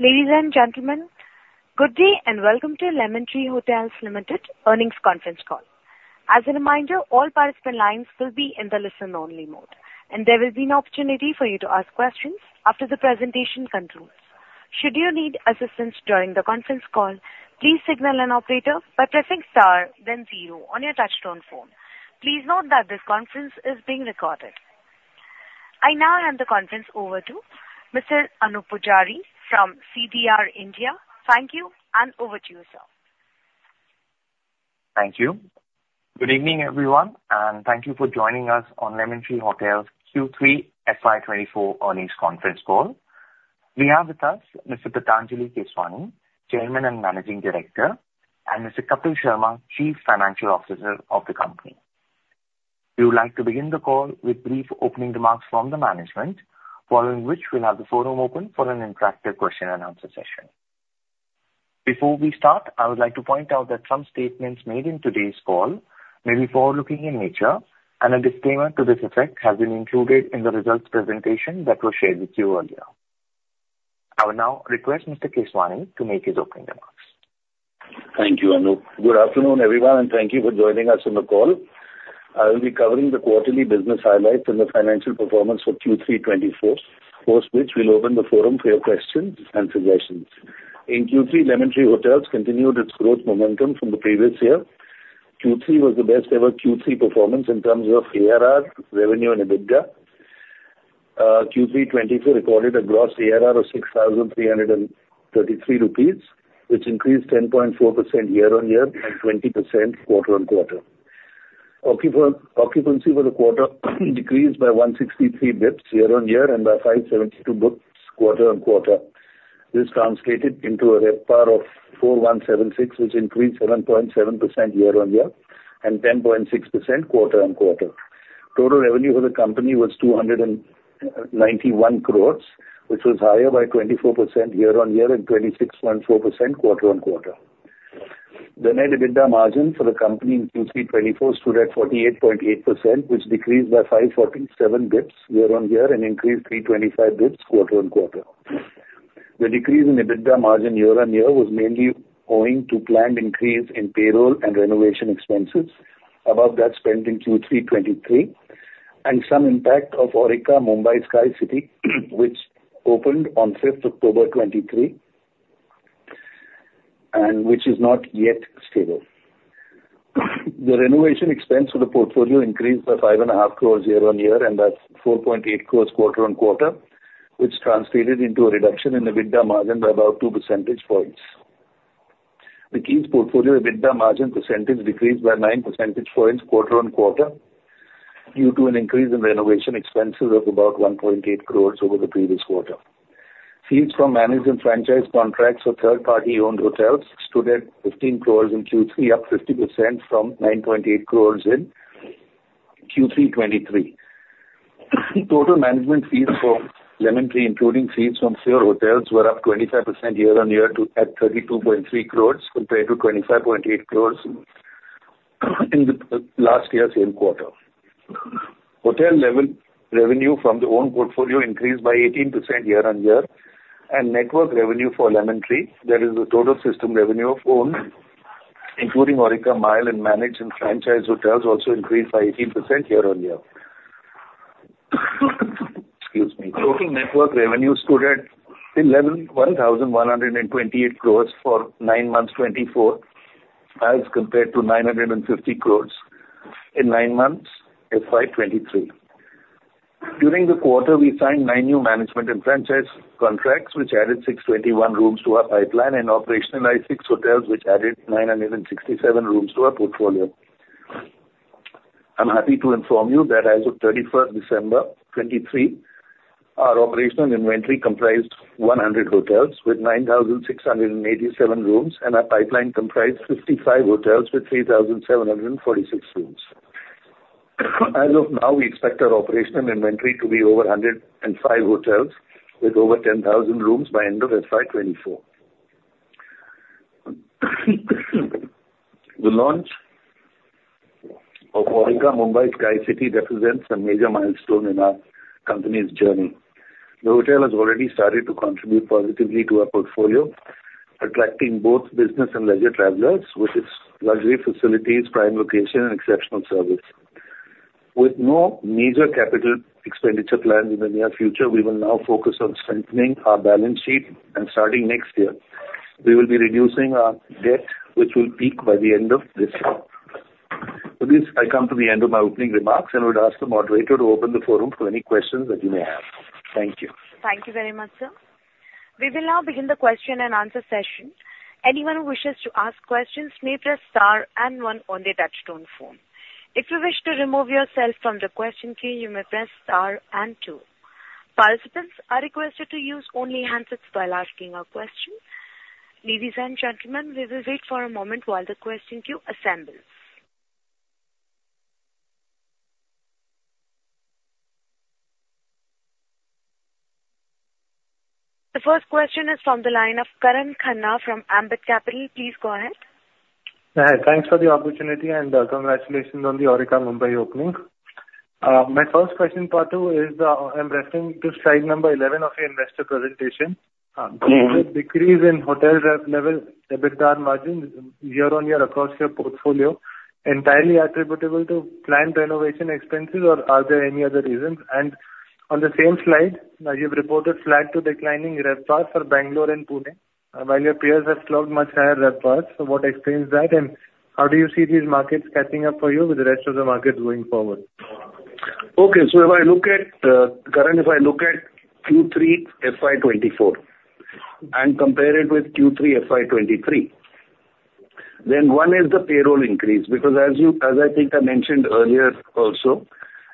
Ladies and gentlemen, good day, and welcome to Lemon Tree Hotels Limited earnings conference call. As a reminder, all participant lines will be in the listen-only mode, and there will be an opportunity for you to ask questions after the presentation concludes. Should you need assistance during the conference call, please signal an operator by pressing star then zero on your touchtone phone. Please note that this conference is being recorded. I now hand the conference over to Mr. Anoop Poojari from CDR India. Thank you, and over to you, sir. Thank you. Good evening, everyone, and thank you for joining us on Lemon Tree Hotels Q3 FY2024 earnings conference call. We have with us Mr. Patanjali Keswani, Chairman and Managing Director, and Mr. Kapil Sharma, Chief Financial Officer of the company. We would like to begin the call with brief opening remarks from the management, following which we'll have the forum open for an interactive question and answer session. Before we start, I would like to point out that some statements made in today's call may be forward-looking in nature, and a disclaimer to this effect has been included in the results presentation that was shared with you earlier. I will now request Mr. Keswani to make his opening remarks. Thank you, Anoop. Good afternoon, everyone, and thank you for joining us on the call. I will be covering the quarterly business highlights and the financial performance for Q3 2024, post which we'll open the forum for your questions and suggestions. In Q3, Lemon Tree Hotels continued its growth momentum from the previous year. Q3 was the best ever Q3 performance in terms of ARR, revenue and EBITDA. Q3 2023 recorded a gross ARR of 6,333 rupees, which increased 10.4% year-on-year and 20% quarter-on-quarter. Occupancy for the quarter decreased by 163 basis points year-on-year and by 572 basis points quarter-on-quarter. This translated into a RevPAR of 4,176, which increased 7.7% year-on-year and 10.6% quarter-on-quarter. Total revenue for the company was 291 crores, which was higher by 24% year-on-year and 26.4% quarter-on-quarter. The net EBITDA margin for the company in Q3 2024 stood at 48.8%, which decreased by 547 basis points year-on-year and increased 325 basis points quarter-on-quarter. The decrease in EBITDA margin year-on-year was mainly owing to planned increase in payroll and renovation expenses above that spent in Q3 2023, and some impact of Aurika Mumbai Skycity, which opened on 5th October 2023, and which is not yet stable. The renovation expense for the portfolio increased by 5.5 crores year-on-year, and by 4.8 crores quarter-on-quarter, which translated into a reduction in EBITDA margin by about 2 percentage points. The Keys portfolio EBITDA margin percentage decreased by 9 percentage points quarter-on-quarter due to an increase in renovation expenses of about 1.8 crores over the previous quarter. Fees from managed and franchised contracts for third-party owned hotels stood at 15 crores in Q3, up 50% from 9.8 crores in Q3 2023. Total management fees for Lemon Tree, including fees from leased hotels, were up 25% year-on-year to 32.3 crores, compared to 25.8 crores in the last year's same quarter. Hotel level revenue from the owned portfolio increased by 18% year-on-year, and network revenue for Lemon Tree, that is the total system revenue of owned, including Aurika MIAL and managed and franchised hotels, also increased by 18% year-on-year. Excuse me. Total network revenue stood at 11,128 crore for nine months 2024, as compared to 950 crore in nine months FY 2023. During the quarter, we signed 9 new management and franchise contracts, which added 621 rooms to our pipeline and operationalized six hotels, which added 967 rooms to our portfolio. I'm happy to inform you that as of 31st December 2023, our operational inventory comprised 100 hotels with 9,687 rooms, and our pipeline comprised 55 hotels with 3,746 rooms. As of now, we expect our operational inventory to be over 105 hotels with over 10,000 rooms by end of FY 2024. The launch of Aurika Mumbai Skycity represents a major milestone in our company's journey. The hotel has already started to contribute positively to our portfolio, attracting both business and leisure travelers with its luxury facilities, prime location and exceptional service. With no major capital expenditure planned in the near future, we will now focus on strengthening our balance sheet, and starting next year, we will be reducing our debt, which will peak by the end of this year. With this, I come to the end of my opening remarks, and I would ask the moderator to open the forum for any questions that you may have. Thank you. Thank you very much, sir. We will now begin the question-and-answer session. Anyone who wishes to ask questions may press star and one on their touchtone phone. If you wish to remove yourself from the question queue, you may press star and two. Participants are requested to use only handsets while asking a question. Ladies and gentlemen, we will wait for a moment while the question queue assembles. The first question is from the line of Karan Khanna from Ambit Capital. Please go ahead. ... Thanks for the opportunity, and congratulations on the Aurika Mumbai opening. My first question, part two is, I'm referring to slide number 11 of your investor presentation. Decrease in hotel-level EBITDA margins year-on-year across your portfolio, entirely attributable to planned renovation expenses, or are there any other reasons? On the same slide, you've reported flat to declining RevPAR for Bangalore and Pune, while your peers have shown much higher RevPAR. So what explains that, and how do you see these markets catching up for you with the rest of the markets going forward? Okay. So if I look at, Karan, if I look at Q3 FY 2024 and compare it with Q3 FY 2023, then one is the payroll increase. Because as you, as I think I mentioned earlier also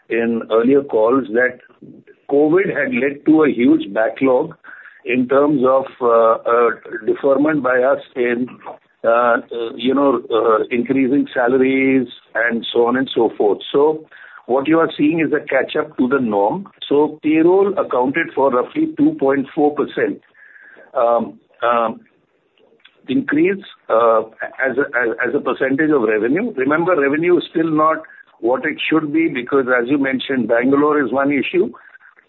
in earlier calls, that COVID had led to a huge backlog in terms of, deferment by us in, you know, increasing salaries and so on and so forth. So what you are seeing is a catch-up to the norm. So payroll accounted for roughly 2.4%, increase, as a, as, as a percentage of revenue. Remember, revenue is still not what it should be, because as you mentioned, Bangalore is one issue,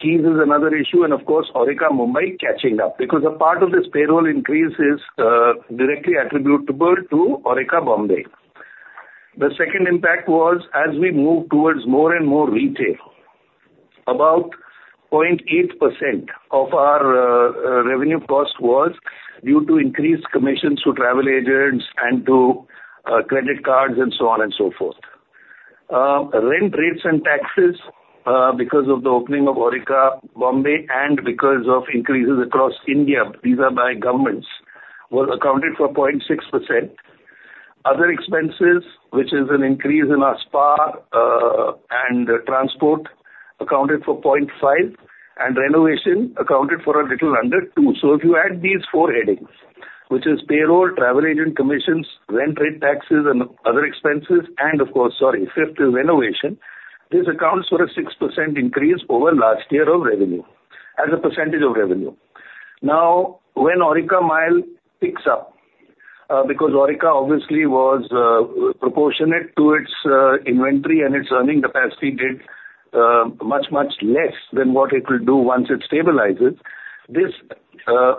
Keys is another issue, and of course, Aurika, Mumbai catching up. Because a part of this payroll increase is, directly attributable to Aurika, Mumbai. The second impact was as we move towards more and more retail, about 0.8% of our revenue cost was due to increased commissions to travel agents and to credit cards and so on and so forth. Rent rates and taxes, because of the opening of Aurika, Mumbai, and because of increases across India, these are by governments, was accounted for 0.6%. Other expenses, which is an increase in our spa and transport, accounted for 0.5, and renovation accounted for a little under 2. So if you add these four headings, which is payroll, travel agent commissions, rent, rate taxes, and other expenses, and of course, sorry, fifth is renovation, this accounts for a 6% increase over last year of revenue, as a percentage of revenue. Now, when Aurika MIAL picks up, because Aurika obviously was proportionate to its inventory and its earning capacity did much, much less than what it will do once it stabilizes, this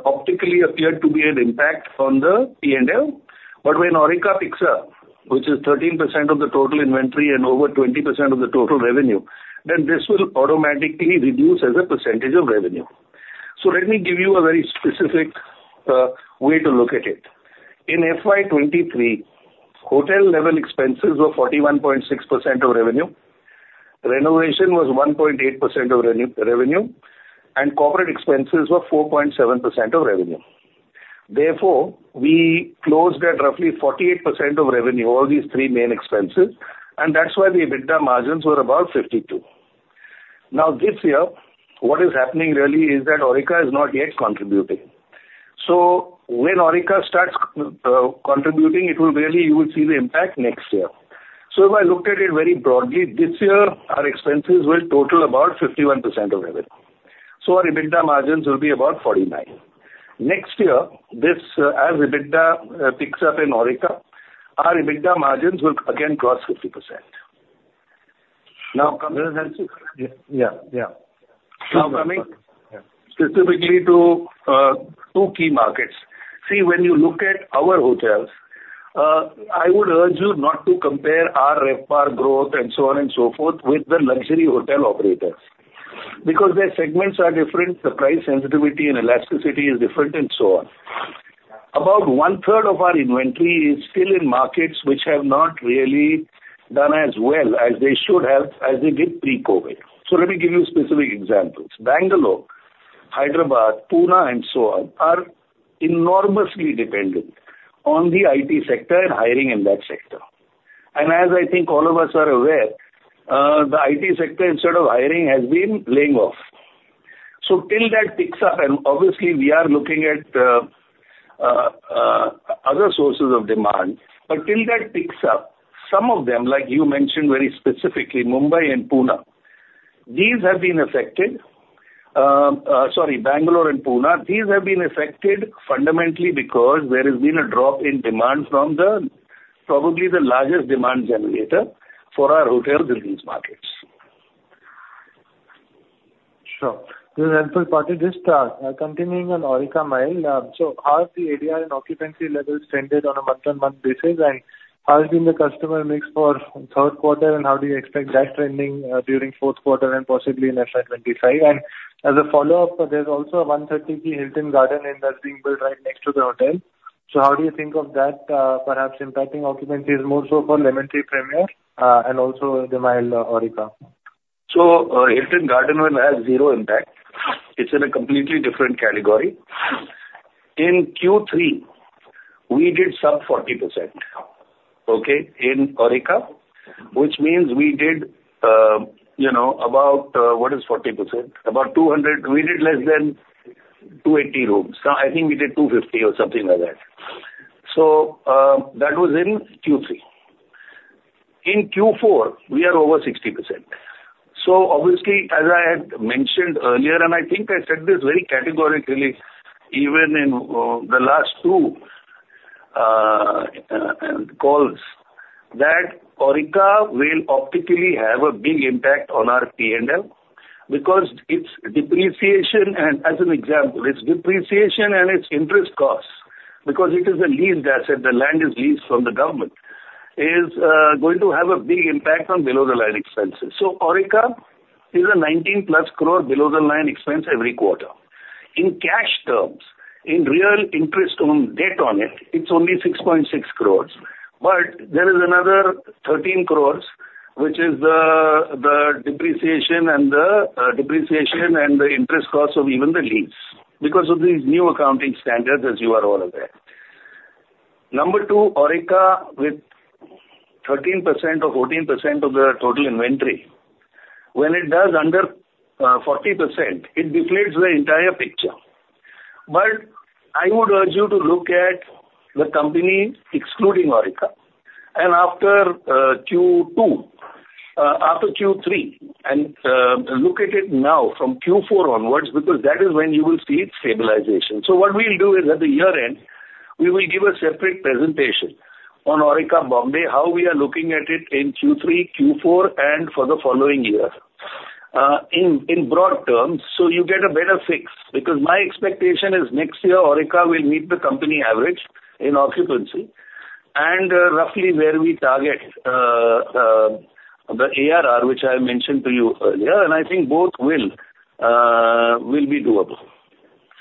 optically appeared to be an impact on the P&L. But when Aurika picks up, which is 13% of the total inventory and over 20% of the total revenue, then this will automatically reduce as a percentage of revenue. So let me give you a very specific way to look at it. In FY 2023, hotel level expenses were 41.6% of revenue, renovation was 1.8% of revenue, and corporate expenses were 4.7% of revenue. Therefore, we closed at roughly 48% of revenue, all these three main expenses, and that's why the EBITDA margins were about 52. Now, this year, what is happening really is that Aurika is not yet contributing. So when Aurika starts contributing, it will really, you will see the impact next year. So if I looked at it very broadly, this year, our expenses will total about 51% of revenue. So our EBITDA margins will be about 49%. Next year, this, as EBITDA picks up in Aurika, our EBITDA margins will again cross 50%. Now, coming... Yeah. Yeah. Now, coming specifically to two key markets. See, when you look at our hotels, I would urge you not to compare our RevPAR growth and so on and so forth with the luxury hotel operators, because their segments are different, the price sensitivity and elasticity is different and so on. About one-third of our inventory is still in markets which have not really done as well as they should have, as they did pre-COVID. So let me give you specific examples. Bangalore, Hyderabad, Pune and so on, are enormously dependent on the IT sector and hiring in that sector. And as I think all of us are aware, the IT sector, instead of hiring, has been laying off. So till that picks up and obviously we are looking at other sources of demand, but till that picks up, some of them, like you mentioned very specifically, Mumbai and Pune, these have been affected. Sorry, Bangalore and Pune, these have been affected fundamentally because there has been a drop in demand from the, probably the largest demand generator for our hotels in these markets. Sure. This is helpful, Patanjali. Just, continuing on Aurika MIAL, so how are the ADR and occupancy levels tended on a month-on-month basis, and how has been the customer mix for third quarter, and how do you expect that trending, during fourth quarter and possibly in FY 2025? And as a follow-up, there's also a 130-key Hilton Garden Inn that's being built right next to the hotel. So how do you think of that, perhaps impacting occupancies more so for Lemon Tree Premier, and also the Aurika MIAL? So, Hilton Garden will have zero impact. It's in a completely different category. In Q3, we did sub-40%, okay, in Aurika, which means we did, you know, about, what is 40%? About 200... We did less than 280 rooms. I think we did 250 or something like that. So, that was in Q3. In Q4, we are over 60%. So obviously, as I had mentioned earlier, and I think I said this very categorically, even in, the last two, calls, that Aurika will optically have a big impact on our P&L, because its depreciation, and as an example, its depreciation and its interest costs, because it is a leased asset, the land is leased from the government, is, going to have a big impact on below-the-line expenses. So Aurika is a 19+ crore below-the-line expense every quarter. In cash terms, in real interest on debt on it, it's only 6.6 crore, but there is another 13 crore, which is the depreciation and the interest costs of even the lease, because of these new accounting standards, as you are all aware. Number two, Aurika, with 13% or 14% of the total inventory, when it does under 40%, it deflates the entire picture. But I would urge you to look at the company excluding Aurika, and after Q2, after Q3, and look at it now from Q4 onwards, because that is when you will see its stabilization. So what we'll do is, at the year-end, we will give a separate presentation on Aurika, Mumbai, how we are looking at it in Q3, Q4, and for the following year, in broad terms, so you get a better fix. Because my expectation is next year, Aurika will meet the company average in occupancy and roughly where we target the ARR, which I mentioned to you earlier, and I think both will be doable.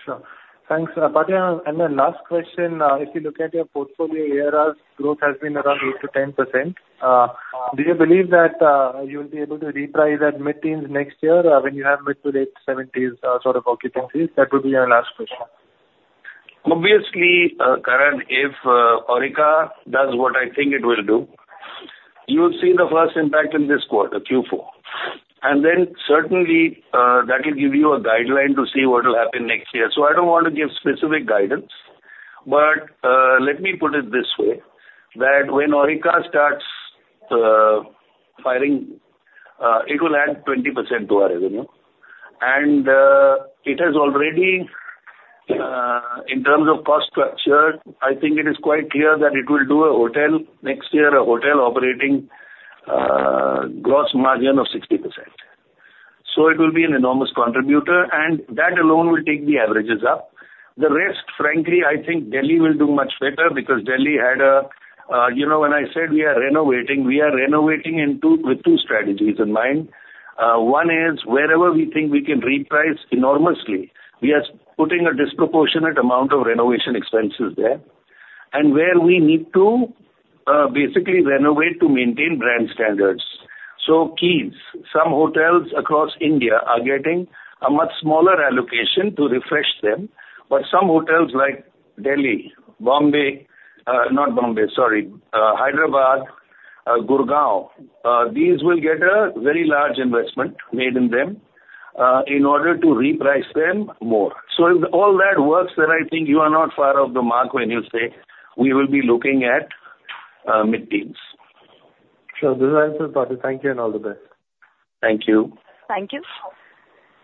Sure. Thanks, Patanjali. The last question: if you look at your portfolio, ARR's growth has been around 8%-10%. Do you believe that you will be able to reprice at mid-teens next year, when you have mid- to late-seventies, sort of occupancies? That would be my last question. Obviously, Karan, if Aurika does what I think it will do, you will see the first impact in this quarter, Q4. And then certainly, that will give you a guideline to see what will happen next year. So I don't want to give specific guidance, but, let me put it this way, that when Aurika starts firing, it will add 20% to our revenue. And, it has already, in terms of cost structure, I think it is quite clear that it will do a hotel next year, a hotel operating gross margin of 60%. So it will be an enormous contributor, and that alone will take the averages up. The rest, frankly, I think Delhi will do much better because Delhi had a, you know, when I said we are renovating, we are renovating with two strategies in mind. One is wherever we think we can reprice enormously, we are putting a disproportionate amount of renovation expenses there, and where we need to, basically renovate to maintain brand standards. So Keys, some hotels across India are getting a much smaller allocation to refresh them, but some hotels like Delhi, Bombay, not Bombay, sorry, Hyderabad, Gurgaon, these will get a very large investment made in them, in order to reprice them more. So if all that works, then I think you are not far off the mark when you say we will be looking at, mid-teens. Sure. This is... Thank you and all the best. Thank you. Thank you.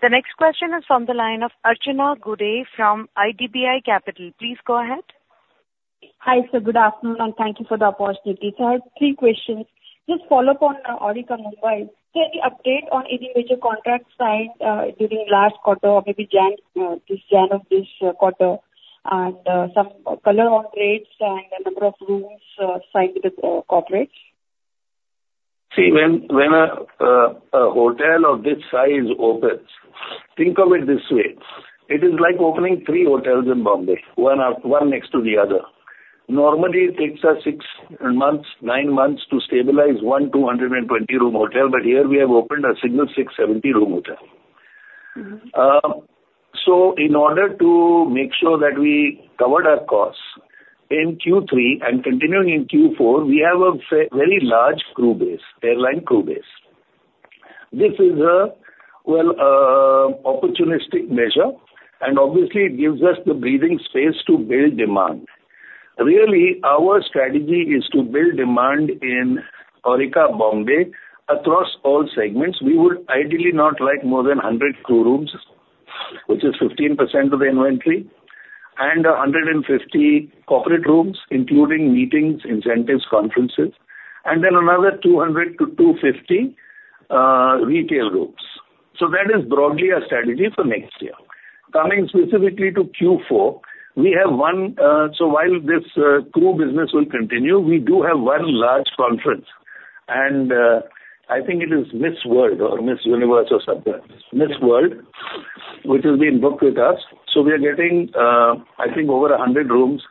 The next question is from the line of Archana Gude from IDBI Capital. Please go ahead. Hi, sir, good afternoon, and thank you for the opportunity. I have three questions. Just follow up on Aurika, Mumbai. Any update on any major contracts signed during last quarter or maybe Jan this Jan of this quarter, and some color on rates and the number of rooms signed with the corporates? See, when a hotel of this size opens, think of it this way: it is like opening three hotels in Bombay, one one next to the other. Normally, it takes us six months, nine months, to stabilize one 220-room hotel, but here we have opened a single 670-room hotel. Mm-hmm. So in order to make sure that we covered our costs in Q3 and continuing in Q4, we have a very large crew base, airline crew base. This is a, well, opportunistic measure, and obviously it gives us the breathing space to build demand. Really, our strategy is to build demand in Aurika, Bombay, across all segments. We would ideally not like more than 100 crew rooms, which is 15% of the inventory, and 150 corporate rooms, including meetings, incentives, conferences, and then another 200-250 retail rooms. So that is broadly our strategy for next year. Coming specifically to Q4, we have one. So while this crew business will continue, we do have one large conference, and I think it is Miss World or Miss Universe or something. Miss World, which has been booked with us. So we are getting, I think, over 100 rooms.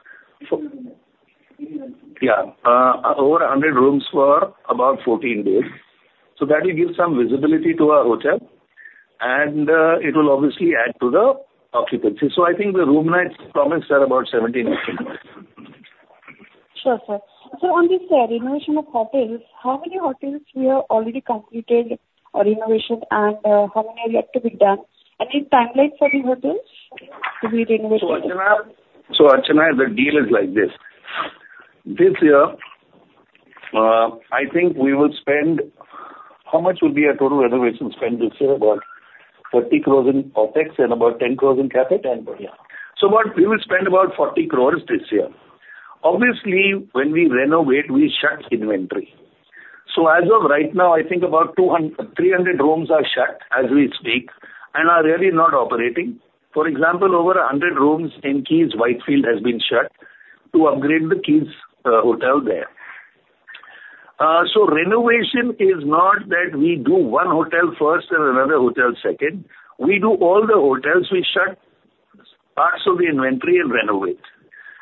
Yeah, over 100 rooms for about 14 days. So that will give some visibility to our hotel, and it will obviously add to the occupancy. So I think the room nights promise are about 70 rooms. Sure, sir. So on this, renovation of hotels, how many hotels you have already completed or renovation, and, how many are left to be done? Any timelines for the hotels?... So Archana, so Archana, the deal is like this: this year, I think we will spend—how much will be our total renovation spend this year? About 30 crores in OpEx and about 10 crores in CapEx? Ten, yeah. So what, we will spend about 40 crores this year. Obviously, when we renovate, we shut inventory. So as of right now, I think about 200-300 rooms are shut as we speak and are really not operating. For example, over 100 rooms in Keys Whitefield has been shut to upgrade the Keys hotel there. So renovation is not that we do one hotel first and another hotel second. We do all the hotels. We shut parts of the inventory and renovate.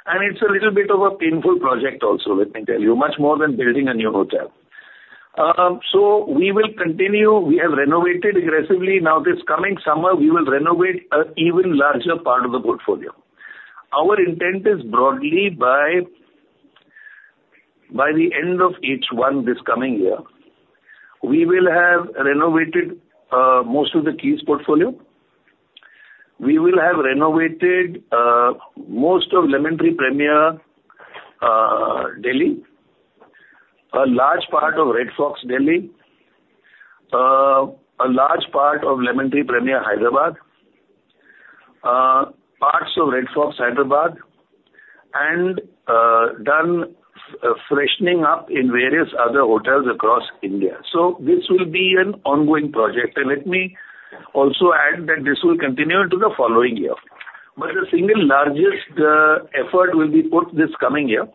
And it's a little bit of a painful project also, let me tell you, much more than building a new hotel. So we will continue. We have renovated aggressively. Now, this coming summer, we will renovate an even larger part of the portfolio. Our intent is broadly by the end of H1, this coming year, we will have renovated most of the Keys portfolio. We will have renovated most of Lemon Tree Premier Delhi, a large part of Red Fox Delhi, a large part of Lemon Tree Premier Hyderabad, parts of Red Fox Hyderabad, and done freshening up in various other hotels across India. So this will be an ongoing project. And let me also add that this will continue into the following year. But the single largest effort will be put this coming year,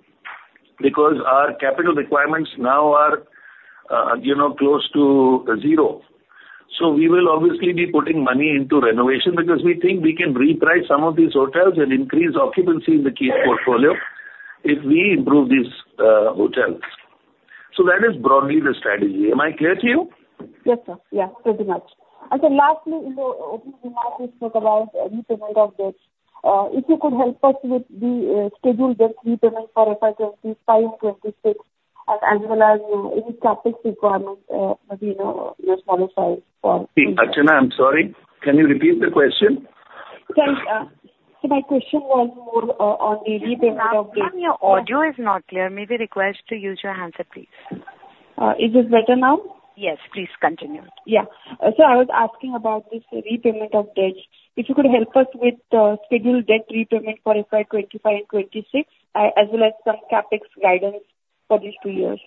because our capital requirements now are, you know, close to zero. So we will obviously be putting money into renovation because we think we can reprice some of these hotels and increase occupancy in the Keys portfolio if we improve these hotels. So that is broadly the strategy. Am I clear to you? Yes, sir. Yeah, thank you much. And then lastly, you know, you also spoke about repayment of debt. If you could help us with the scheduled debt repayment for FY 2025, 2026, as well as any CapEx requirements, you know, your satisfied for- Archana, I'm sorry. Can you repeat the question? Sure, so my question was more on the repayment of debt. Ma'am, your audio is not clear. May we request to use your handset, please? Is it better now? Yes, please continue. Yeah. So I was asking about this repayment of debt. If you could help us with scheduled debt repayment for FY 2025, 2026, as well as some CapEx guidance for these two years.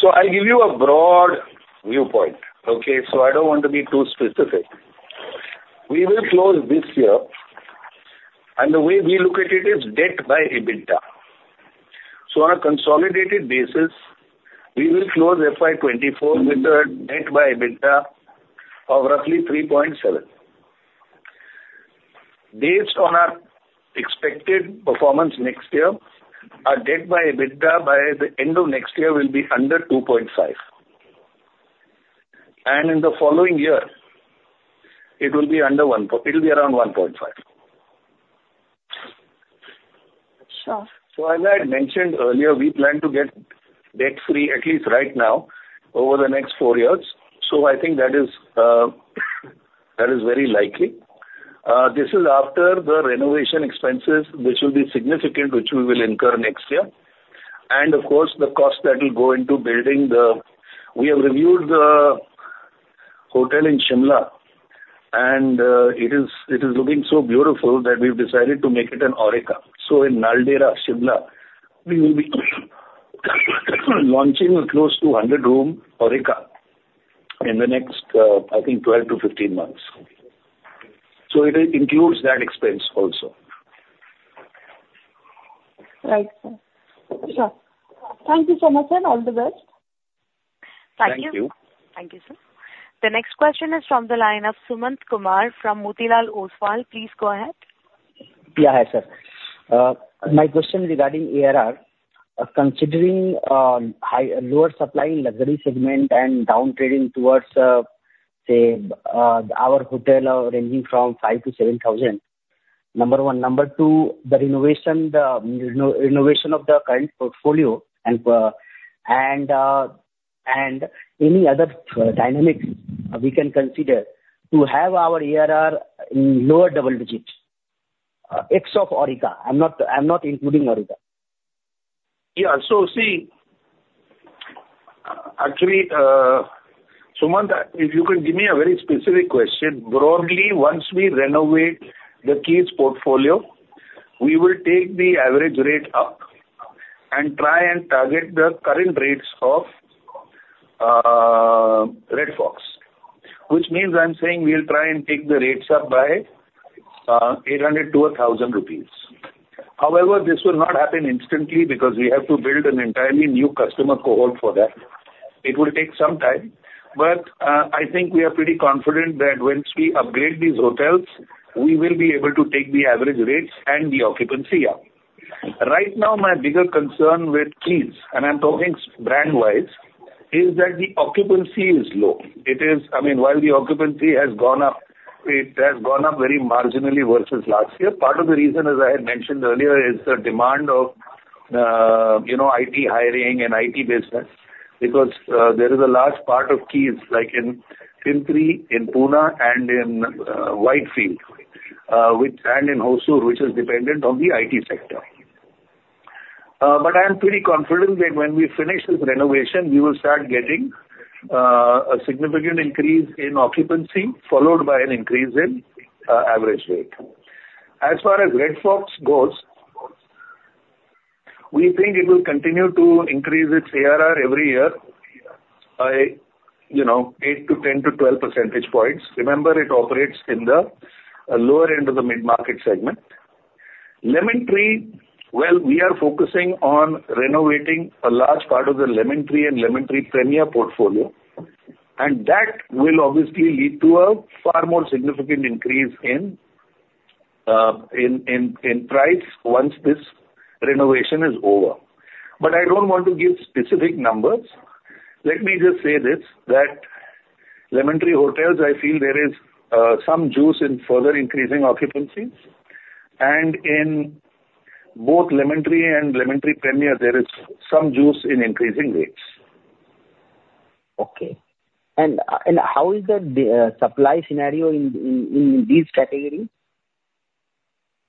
So I'll give you a broad viewpoint, okay? So I don't want to be too specific. We will close this year, and the way we look at it is debt by EBITDA. So on a consolidated basis, we will close FY 2024 with a debt by EBITDA of roughly 3.7. Based on our expected performance next year, our debt by EBITDA by the end of next year will be under 2.5. And in the following year, it will be under one point... It will be around 1.5. Sure. So as I had mentioned earlier, we plan to get debt-free, at least right now, over the next four years. So I think that is, that is very likely. This is after the renovation expenses, which will be significant, which we will incur next year. And of course, the cost that will go into building the— We have renewed the hotel in Shimla, and, it is, it is looking so beautiful that we've decided to make it an Aurika. So in Naldehra, Shimla, we will be launching a close to 100-room Aurika in the next, I think 12-15 months. So it includes that expense also. Right, sir. Sure. Thank you so much, and all the best. Thank you. Thank you. Thank you, sir. The next question is from the line of Sumant Kumar from Motilal Oswal. Please go ahead. Yeah, hi, sir. My question regarding ARR. Considering lower supply in luxury segment and down trading towards, say, our hotel ranging from 5,000-7,000, number one. Number two, the renovation of the current portfolio and any other dynamics we can consider to have our ARR in lower double digits, ex of Aurika. I'm not including Aurika. Yeah, so see, actually, Sumant, if you could give me a very specific question. Broadly, once we renovate the Keys portfolio, we will take the average rate up and try and target the current rates of Red Fox, which means I'm saying we'll try and take the rates up by 800-1,000 rupees. However, this will not happen instantly because we have to build an entirely new customer cohort for that. It will take some time, but I think we are pretty confident that once we upgrade these hotels, we will be able to take the average rates and the occupancy up. Right now, my bigger concern with Keys, and I'm talking brand-wise, is that the occupancy is low. It is... I mean, while the occupancy has gone up, it has gone up very marginally versus last year. Part of the reason, as I had mentioned earlier, is the demand you know, IT hiring and IT business, because there is a large part of Keys, like in Pimpri, in Pune, and in Whitefield, which and in Hosur, which is dependent on the IT sector. But I am pretty confident that when we finish this renovation, we will start getting a significant increase in occupancy, followed by an increase in average rate. As far as Red Fox goes, we think it will continue to increase its ARR every year by, you know, 8 to 10 to 12 percentage points. Remember, it operates in the lower end of the mid-market segment. Lemon Tree, well, we are focusing on renovating a large part of the Lemon Tree and Lemon Tree Premier portfolio, and that will obviously lead to a far more significant increase in price once this renovation is over. But I don't want to give specific numbers. Let me just say this, that Lemon Tree Hotels, I feel there is some juice in further increasing occupancies, and in both Lemon Tree and Lemon Tree Premier, there is some juice in increasing rates. Okay. How is the supply scenario in these categories?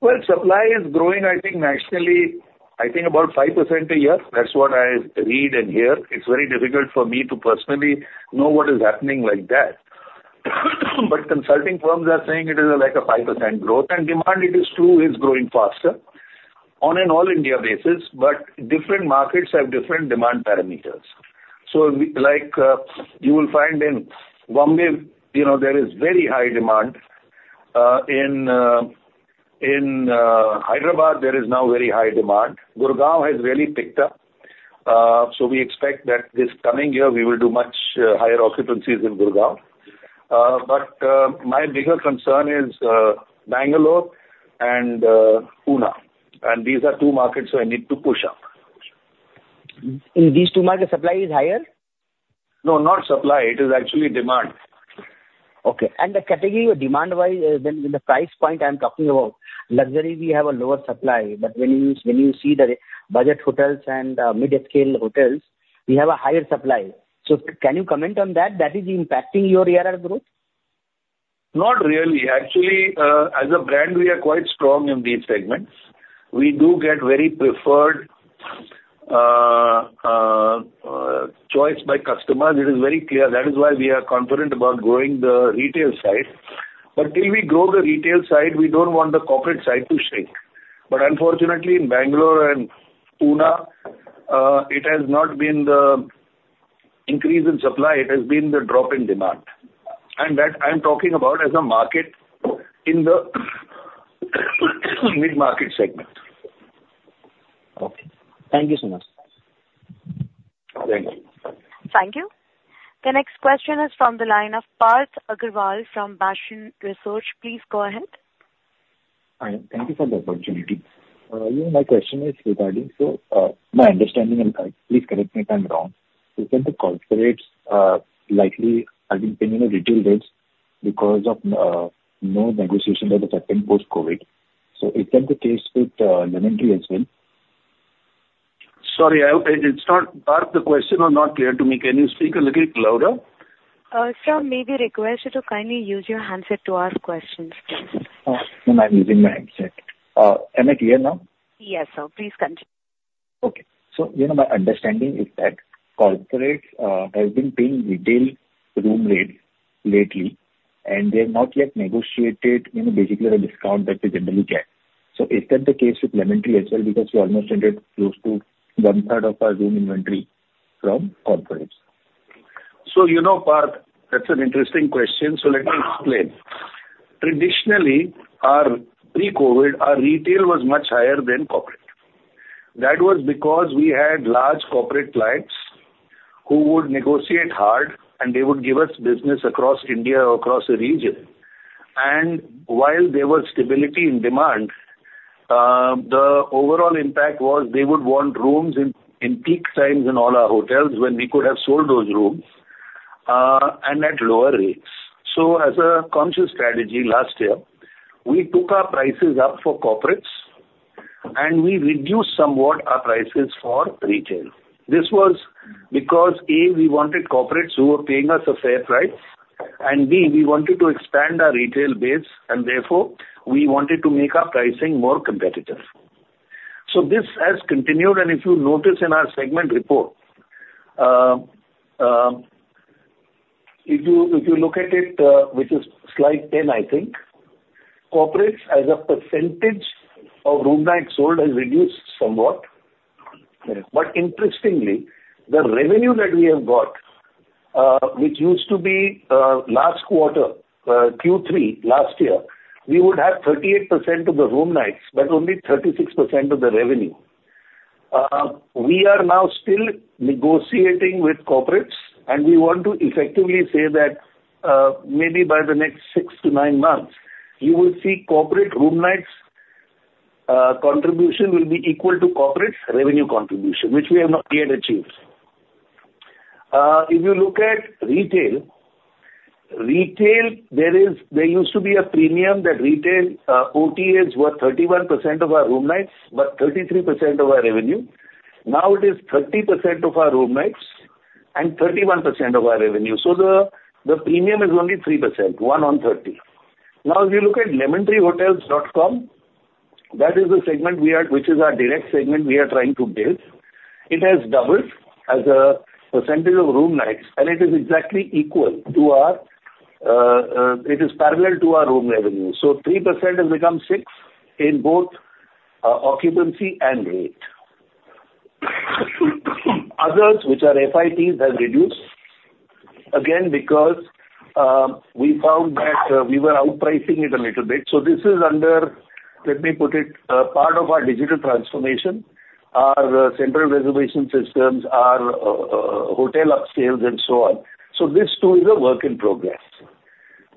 Well, supply is growing, I think nationally, I think about 5% a year. That's what I read and hear. It's very difficult for me to personally know what is happening like that. But consulting firms are saying it is like a 5% growth, and demand, it is true, is growing faster on an all-India basis, but different markets have different demand parameters. So we—like, you will find in Bombay, you know, there is very high demand. In, in, in Hyderabad, there is now very high demand. Gurgaon has really picked up, so we expect that this coming year we will do much higher occupancies in Gurgaon. But my bigger concern is Bangalore and Pune, and these are two markets I need to push up. In these two markets, supply is higher? No, not supply. It is actually demand. Okay, and the category of demand-wise, then the price point I'm talking about, luxury, we have a lower supply, but when you see the budget hotels and mid-scale hotels, we have a higher supply. So can you comment on that? That is impacting your ARR growth? Not really. Actually, as a brand, we are quite strong in these segments. We do get very preferred choice by customers. It is very clear. That is why we are confident about growing the retail side. But till we grow the retail side, we don't want the corporate side to shrink. But unfortunately, in Bangalore and Pune, it has not been the increase in supply, it has been the drop in demand. And that I'm talking about as a market in the mid-market segment. Okay. Thank you so much. Thank you. Thank you. The next question is from the line of Parth Agrawal from Bastion Research. Please go ahead. Hi, thank you for the opportunity. You know, my question is regarding my understanding, and please correct me if I'm wrong, is that the corporates likely have been paying the retail rates because of no negotiation that has happened post-COVID. Is that the case with Lemon Tree as well? Sorry, I... It's not, Parth, the question are not clear to me. Can you speak a little bit louder? Sir, may we request you to kindly use your handset to ask questions, please? No, I'm using my handset. Am I clear now? Yes, sir. Please continue. Okay. So, you know, my understanding is that corporates have been paying retail room rates lately, and they have not yet negotiated, you know, basically the discount that they generally get. So is that the case with Lemon Tree as well? Because we almost rented close to one third of our room inventory from corporates. So, you know, Parth, that's an interesting question, so let me explain. Traditionally, our pre-COVID, our retail was much higher than corporate. That was because we had large corporate clients who would negotiate hard, and they would give us business across India or across a region. And while there was stability in demand, the overall impact was they would want rooms in, in peak times in all our hotels, when we could have sold those rooms, and at lower rates. So as a conscious strategy last year, we took our prices up for corporates, and we reduced somewhat our prices for retail. This was because, A, we wanted corporates who were paying us a fair price, and, B, we wanted to expand our retail base, and therefore, we wanted to make our pricing more competitive. So this has continued, and if you notice in our segment report, if you look at it, which is slide 10, I think, corporates as a percentage of room nights sold has reduced somewhat. But interestingly, the revenue that we have got, which used to be, last quarter, Q3 last year, we would have 38% of the room nights, but only 36% of the revenue. We are now still negotiating with corporates, and we want to effectively say that, maybe by the next 6-9 months, you will see corporate room nights contribution will be equal to corporate revenue contribution, which we have not yet achieved.... If you look at retail, there used to be a premium that retail OTAs were 31% of our room nights, but 33% of our revenue. Now it is 30% of our room nights and 31% of our revenue. So the premium is only 3%, 1 on 30. Now, if you look at Lemon Tree Hotels.com, that is the segment we are—which is our direct segment we are trying to build. It has doubled as a percentage of room nights, and it is exactly equal to our, it is parallel to our room revenue. So 3% has become 6% in both occupancy and rate. Others, which are FITs, has reduced, again, because we found that we were outpricing it a little bit. So this is under, let me put it, part of our digital transformation, our central reservation systems, our hotel upscales, and so on. So this, too, is a work in progress.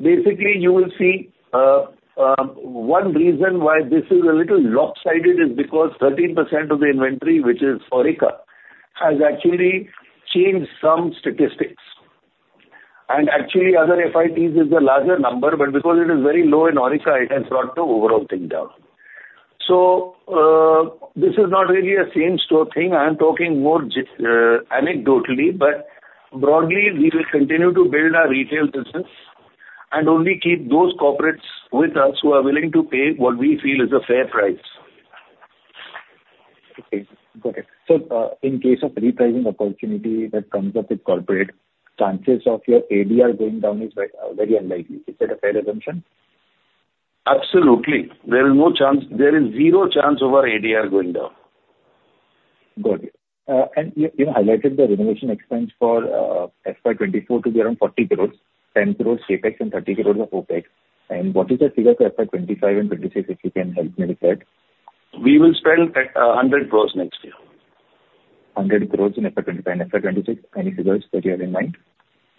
Basically, you will see, one reason why this is a little lopsided is because 13% of the inventory, which is Aurika, has actually changed some statistics. And actually, other FITs is a larger number, but because it is very low in Aurika, it has brought the overall thing down. So, this is not really a same store thing. I am talking more just, anecdotally, but broadly, we will continue to build our retail business and only keep those corporates with us who are willing to pay what we feel is a fair price. Okay, got it. So, in case of repricing opportunity that comes up with corporate, chances of your ADR going down is very, very unlikely. Is that a fair assumption? Absolutely. There is no chance. There is zero chance of our ADR going down. Got it. You highlighted the renovation expense for FY 2024 to be around 40 crore, 10 crore CapEx and 30 crore of OpEx. What is the figure for FY 2025 and 2026, if you can help me with that? We will spend at INR 100 crore next year. 100 crore in FY 2025. And FY 2026, any figures that you have in mind?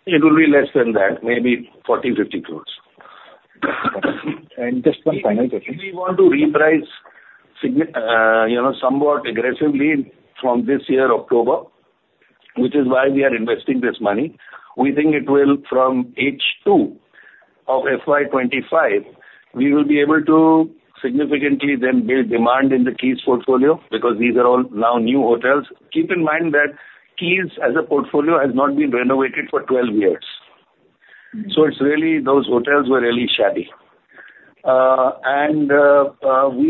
It will be less than that, maybe 40-50 crores. Just one final question. We want to reprice significantly, you know, somewhat aggressively from this year, October, which is why we are investing this money. We think it will, from H2 of FY 2025, we will be able to significantly then build demand in the Keys portfolio, because these are all now new hotels. Keep in mind that Keys as a portfolio has not been renovated for 12 years. Mm-hmm. So it's really those hotels were really shabby. We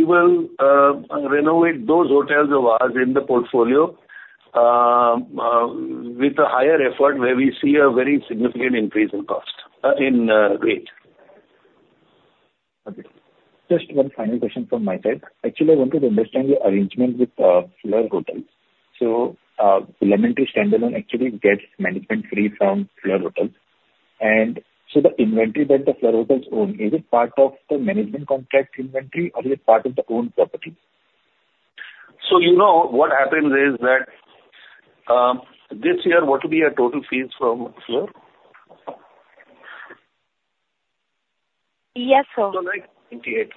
will renovate those hotels of ours in the portfolio with a higher effort, where we see a very significant increase in cost in rate. Okay. Just one final question from my side. Actually, I wanted to understand the arrangement with Fleur Hotels. So, Lemon Tree standalone actually gets management fee from Fleur Hotels. And so the inventory that the Fleur Hotels own, is it part of the management contract inventory or is it part of the owned property? You know, what happens is that, this year, what will be our total fees from Fleur? Yes, sir. So, like, 98.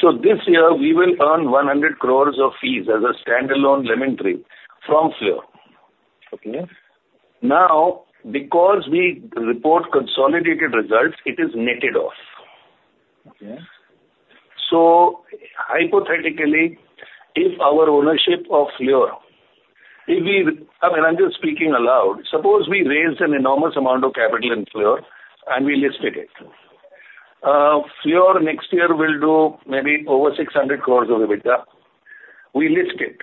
So this year we will earn 100 crore of fees as a standalone Lemon Tree from Fleur. Okay. Now, because we report consolidated results, it is netted off. Okay. Hypothetically, if our ownership of Fleur, if we... I mean, I'm just speaking aloud. Suppose we raised an enormous amount of capital in Fleur, and we listed it. Fleur next year will do maybe over 600 crores of EBITDA. We list it,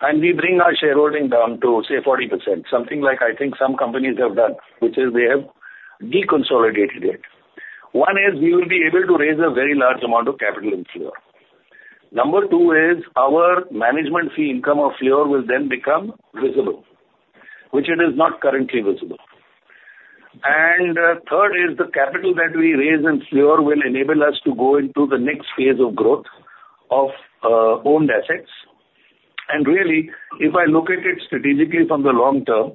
and we bring our shareholding down to, say, 40%, something like I think some companies have done, which is they have deconsolidated it. One is, we will be able to raise a very large amount of capital in Fleur. Number two is, our management fee income of Fleur will then become visible, which it is not currently visible. And, third is the capital that we raise in Fleur will enable us to go into the next phase of growth of, owned assets. Really, if I look at it strategically from the long term,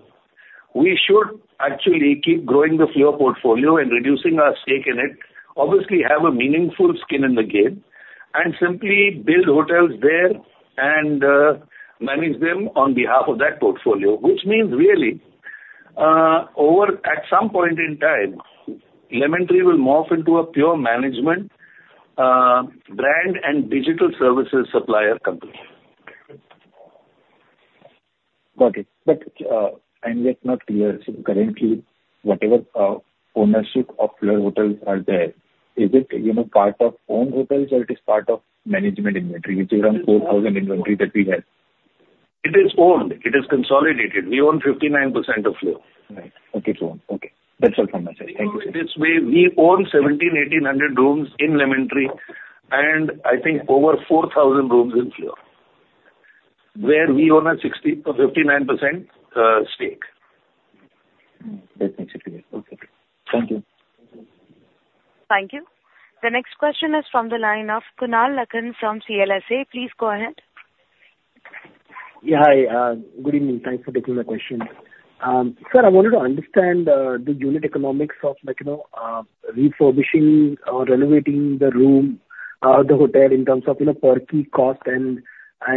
we should actually keep growing the Fleur portfolio and reducing our stake in it, obviously, have a meaningful skin in the game and simply build hotels there and manage them on behalf of that portfolio. Which means really, over at some point in time, Lemon Tree will morph into a pure management, brand and digital services supplier company. Got it. But, I'm yet not clear. So currently, whatever, ownership of Fleur Hotels are there, is it, you know, part of owned hotels or it is part of management inventory, which is around 4,000 inventory that we have? It is owned, it is consolidated. We own 59% of Fleur. Right. Okay, sure. Okay. That's all from my side. Thank you. This way, we own 1,700-1,800 rooms in Lemon Tree, and I think over 4,000 rooms in Fleur, where we own a 59% stake. That's actually it. Okay. Thank you. Thank you. The next question is from the line of Kunal Lakhan from CLSA. Please go ahead. Yeah, hi, good evening. Thanks for taking my question. Sir, I wanted to understand the unit economics of, like, you know, refurbishing or renovating the room... the hotel in terms of, you know, per key cost and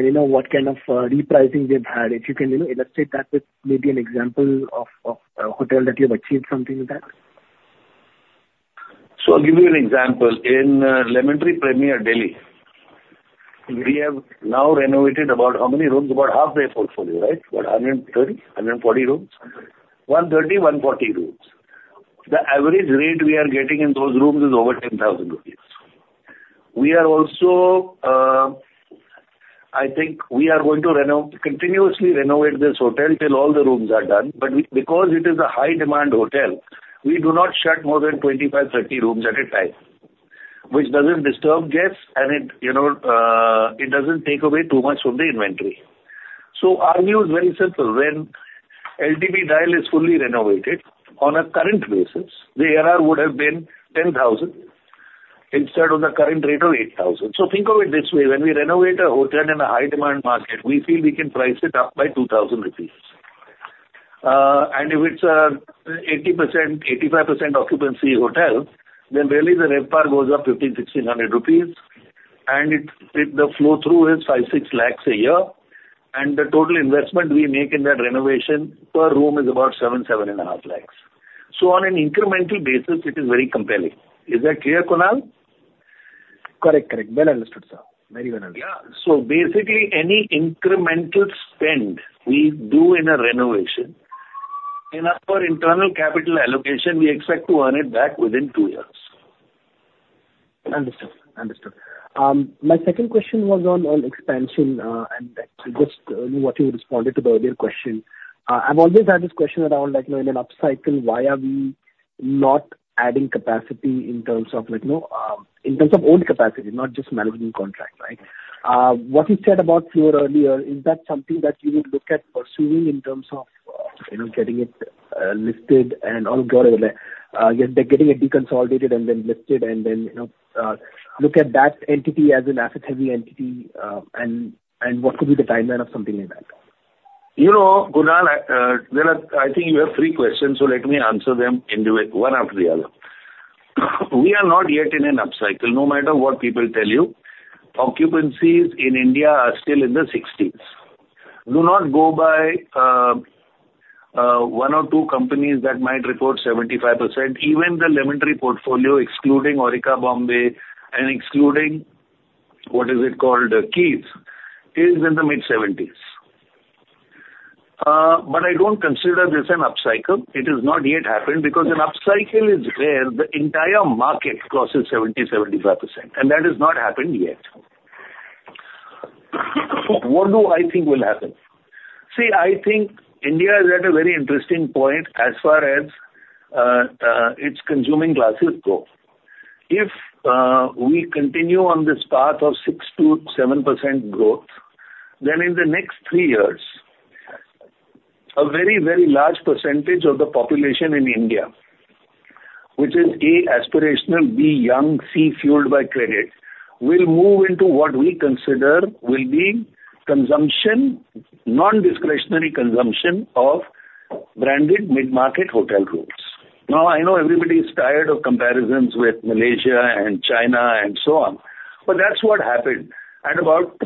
you know, what kind of repricing they've had. If you can, you know, illustrate that with maybe an example of a hotel that you've achieved something with that? So I'll give you an example. In, Lemon Tree Premier, Delhi, we have now renovated about how many rooms? About half the portfolio, right? About 130, 140 rooms. 130, 140 rooms. The average rate we are getting in those rooms is over 10,000 rupees. We are also, I think we are going to continuously renovate this hotel till all the rooms are done, but because it is a high demand hotel, we do not shut more than 25, 30 rooms at a time, which doesn't disturb guests and it, you know, it doesn't take away too much from the inventory. So our view is very simple: when LTP Delhi is fully renovated, on a current basis, the RR would have been 10,000 instead of the current rate of 8,000. So think of it this way, when we renovate a hotel in a high demand market, we feel we can price it up by 2,000 rupees. And if it's a 80%, 85% occupancy hotel, then really the RevPAR goes up 1,500-1,600 rupees, and if the flow-through is 5-6 lakhs a year, and the total investment we make in that renovation per room is about 7-7.5 lakhs. So on an incremental basis, it is very compelling. Is that clear, Kunal? Correct, correct. Well illustrated, sir. Very well. Yeah. So basically, any incremental spend we do in a renovation, in our internal capital allocation, we expect to earn it back within two years. Understood. Understood. My second question was on, on expansion, and actually just what you responded to the earlier question. I've always had this question around, like, you know, in an upcycle, why are we not adding capacity in terms of like, you know, in terms of own capacity, not just management contract, right? What you said about Fleur earlier, is that something that you would look at pursuing in terms of, you know, getting it listed and on getting it deconsolidated and then listed and then, you know, look at that entity as an asset-heavy entity, and, and what could be the timeline of something like that? You know, Kunal, there are—I think you have three questions, so let me answer them in the one after the other. We are not yet in an upcycle, no matter what people tell you. Occupancies in India are still in the 60s. Do not go by one or two companies that might report 75%. Even the Lemon Tree portfolio, excluding Aurika, Bombay, and excluding, what is it called, Keys, is in the mid-70s. But I don't consider this an upcycle. It has not yet happened, because an upcycle is where the entire market crosses 70, 75%, and that has not happened yet. What do I think will happen? See, I think India is at a very interesting point as far as its consuming classes go. If we continue on this path of 6%-7% growth, then in the next three years, a very, very large percentage of the population in India, which is, A, aspirational, B, young, C, fueled by credit, will move into what we consider will be consumption, non-discretionary consumption of branded mid-market hotel rooms. Now, I know everybody is tired of comparisons with Malaysia and China and so on, but that's what happened at about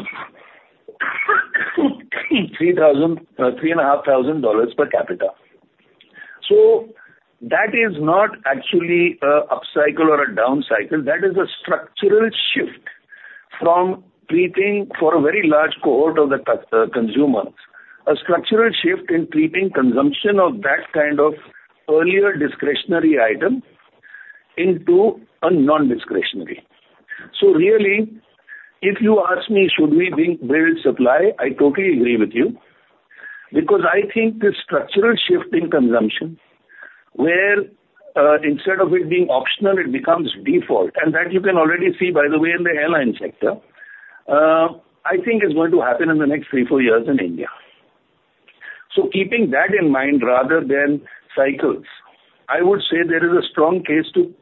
$3,000-$3,500 per capita. So that is not actually an upcycle or a downcycle. That is a structural shift from treating for a very large cohort of the consumers, a structural shift in treating consumption of that kind of earlier discretionary item into a non-discretionary. So really, if you ask me, should we build supply? I totally agree with you, because I think this structural shift in consumption, where, instead of it being optional, it becomes default, and that you can already see, by the way, in the airline sector, I think is going to happen in the next 3-4 years in India. So keeping that in mind rather than cycles, I would say there is a strong case to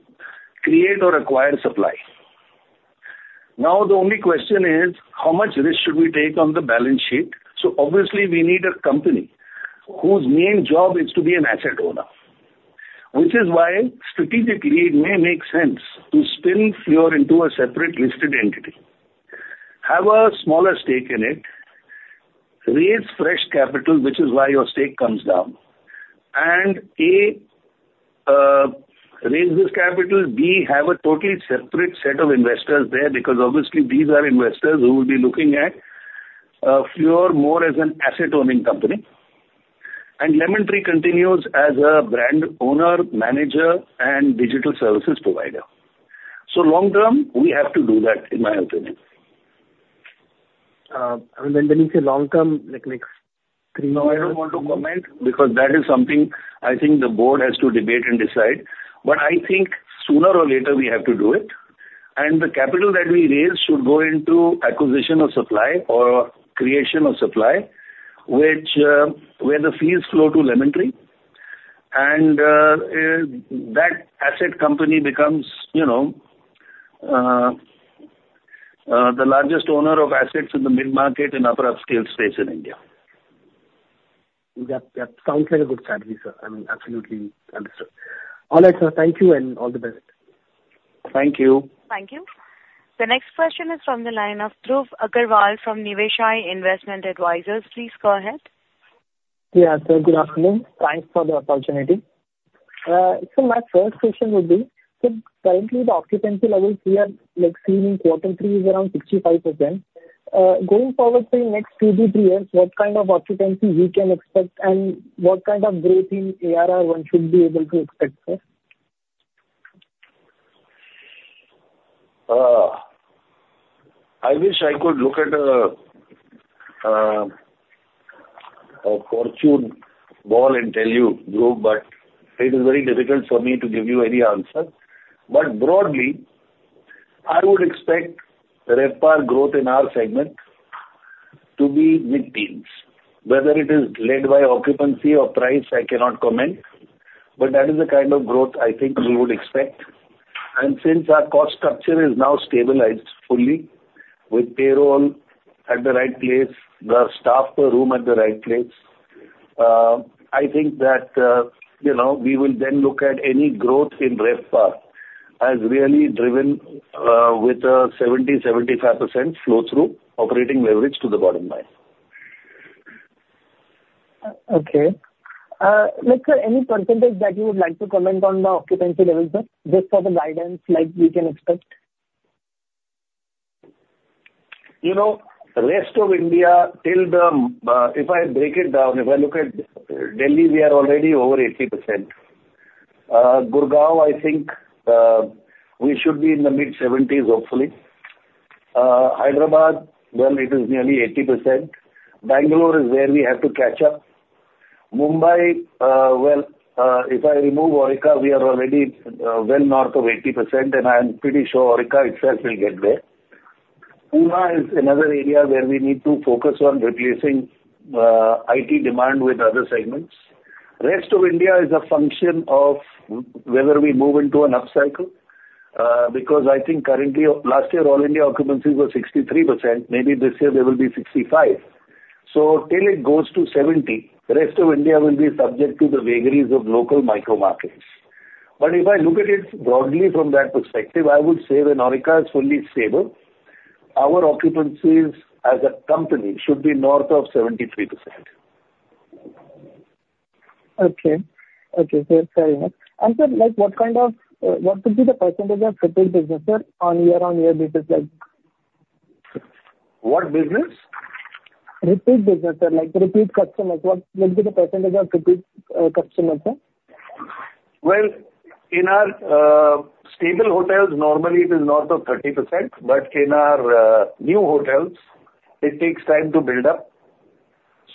create or acquire supply. Now, the only question is, how much risk should we take on the balance sheet? So obviously, we need a company whose main job is to be an asset owner. Which is why strategically, it may make sense to spin Fleur into a separate listed entity, have a smaller stake in it, raise fresh capital, which is why your stake comes down, and, A, raise this capital, B, have a totally separate set of investors there, because obviously these are investors who will be looking at, Fleur more as an asset-owning company. And Lemon Tree continues as a brand owner, manager, and digital services provider. So long term, we have to do that, in my opinion. And when, when you say long term, like next three months? I don't want to comment, because that is something I think the board has to debate and decide. But I think sooner or later, we have to do it, and the capital that we raise should go into acquisition of supply or creation of supply, which, where the fees flow to Lemon Tree, and, that asset company becomes, you know, the largest owner of assets in the mid-market and upper upscale space in India.... That sounds like a good strategy, sir. I mean, absolutely understood. All right, sir. Thank you, and all the best. Thank you. Thank you. The next question is from the line of Dhruv Agarwal from Niveshaay Investment Advisors. Please go ahead. Yeah, sir, good afternoon. Thanks for the opportunity. So my first question would be: so currently, the occupancy levels we are, like, seeing in quarter three is around 65%. Going forward say next two to three years, what kind of occupancy we can expect and what kind of growth in ARR one should be able to expect, sir? I wish I could look at a, a fortune ball and tell you, Dhruv, but it is very difficult for me to give you any answer. But broadly, I would expect RevPAR growth in our segment to be mid-teens. Whether it is led by occupancy or price, I cannot comment, but that is the kind of growth I think we would expect. And since our cost structure is now stabilized fully, with payroll at the right place, the staff per room at the right place, I think that, you know, we will then look at any growth in RevPAR as really driven, with a 70%-75% flow-through operating leverage to the bottom line. Okay. Like, sir, any percentage that you would like to comment on the occupancy levels, sir? Just for the guidance, like we can expect. You know, rest of India, till the, if I break it down, if I look at Delhi, we are already over 80%. Gurgaon, I think, we should be in the mid-70s, hopefully. Hyderabad, well, it is nearly 80%. Bangalore is where we have to catch up. Mumbai, well, if I remove Aurika, we are already, well north of 80%, and I'm pretty sure Aurika itself will get there. Pune is another area where we need to focus on replacing, IT demand with other segments. Rest of India is a function of whether we move into an upcycle, because I think currently, last year, all India occupancies were 63%. Maybe this year they will be 65. So till it goes to 70, rest of India will be subject to the vagaries of local micro markets. But if I look at it broadly from that perspective, I would say when Aurika is fully stable, our occupancies as a company should be north of 73%. Okay. Okay, sir, fair enough. Sir, like, what kind of what would be the percentage of repeat business, sir, on year-on-year basis like? What business? Repeat business, sir, like repeat customers. What, what would be the percentage of repeat customers, sir? Well, in our stable hotels, normally it is north of 30%, but in our new hotels, it takes time to build up.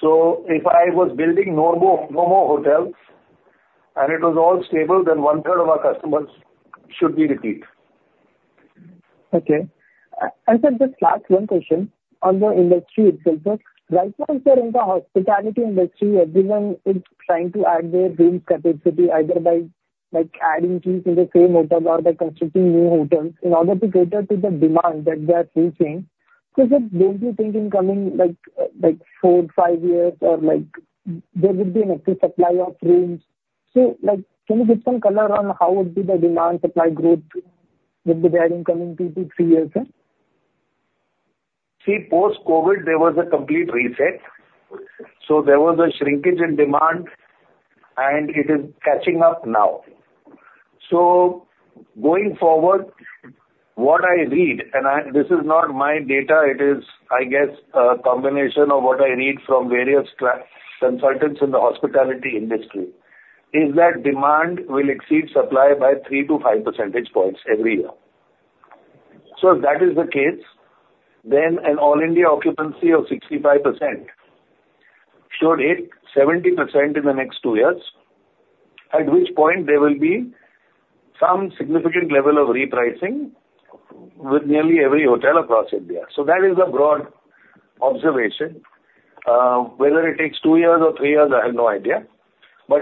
So if I was building no more, no more hotels, and it was all stable, then one-third of our customers should be repeat. Okay. And sir, just last one question on the industry itself, sir. Right now, sir, in the hospitality industry, everyone is trying to add their rooms capacity, either by, like, adding things in the same hotel or by constructing new hotels, in order to cater to the demand that they are facing. So, sir, don't you think in coming, like, four, five years or, like, there would be an excess supply of rooms? So, like, can you give some color on how would be the demand-supply growth with regard in coming two to three years, sir? See, post-COVID, there was a complete reset, so there was a shrinkage in demand, and it is catching up now. So going forward, what I read, and I... This is not my data, it is, I guess, a combination of what I read from various travel consultants in the hospitality industry, is that demand will exceed supply by 3-5 percentage points every year. So if that is the case, then an all-India occupancy of 65% should hit 70% in the next two years, at which point there will be some significant level of repricing with nearly every hotel across India. So that is the broad observation. Whether it takes two years or three years, I have no idea. But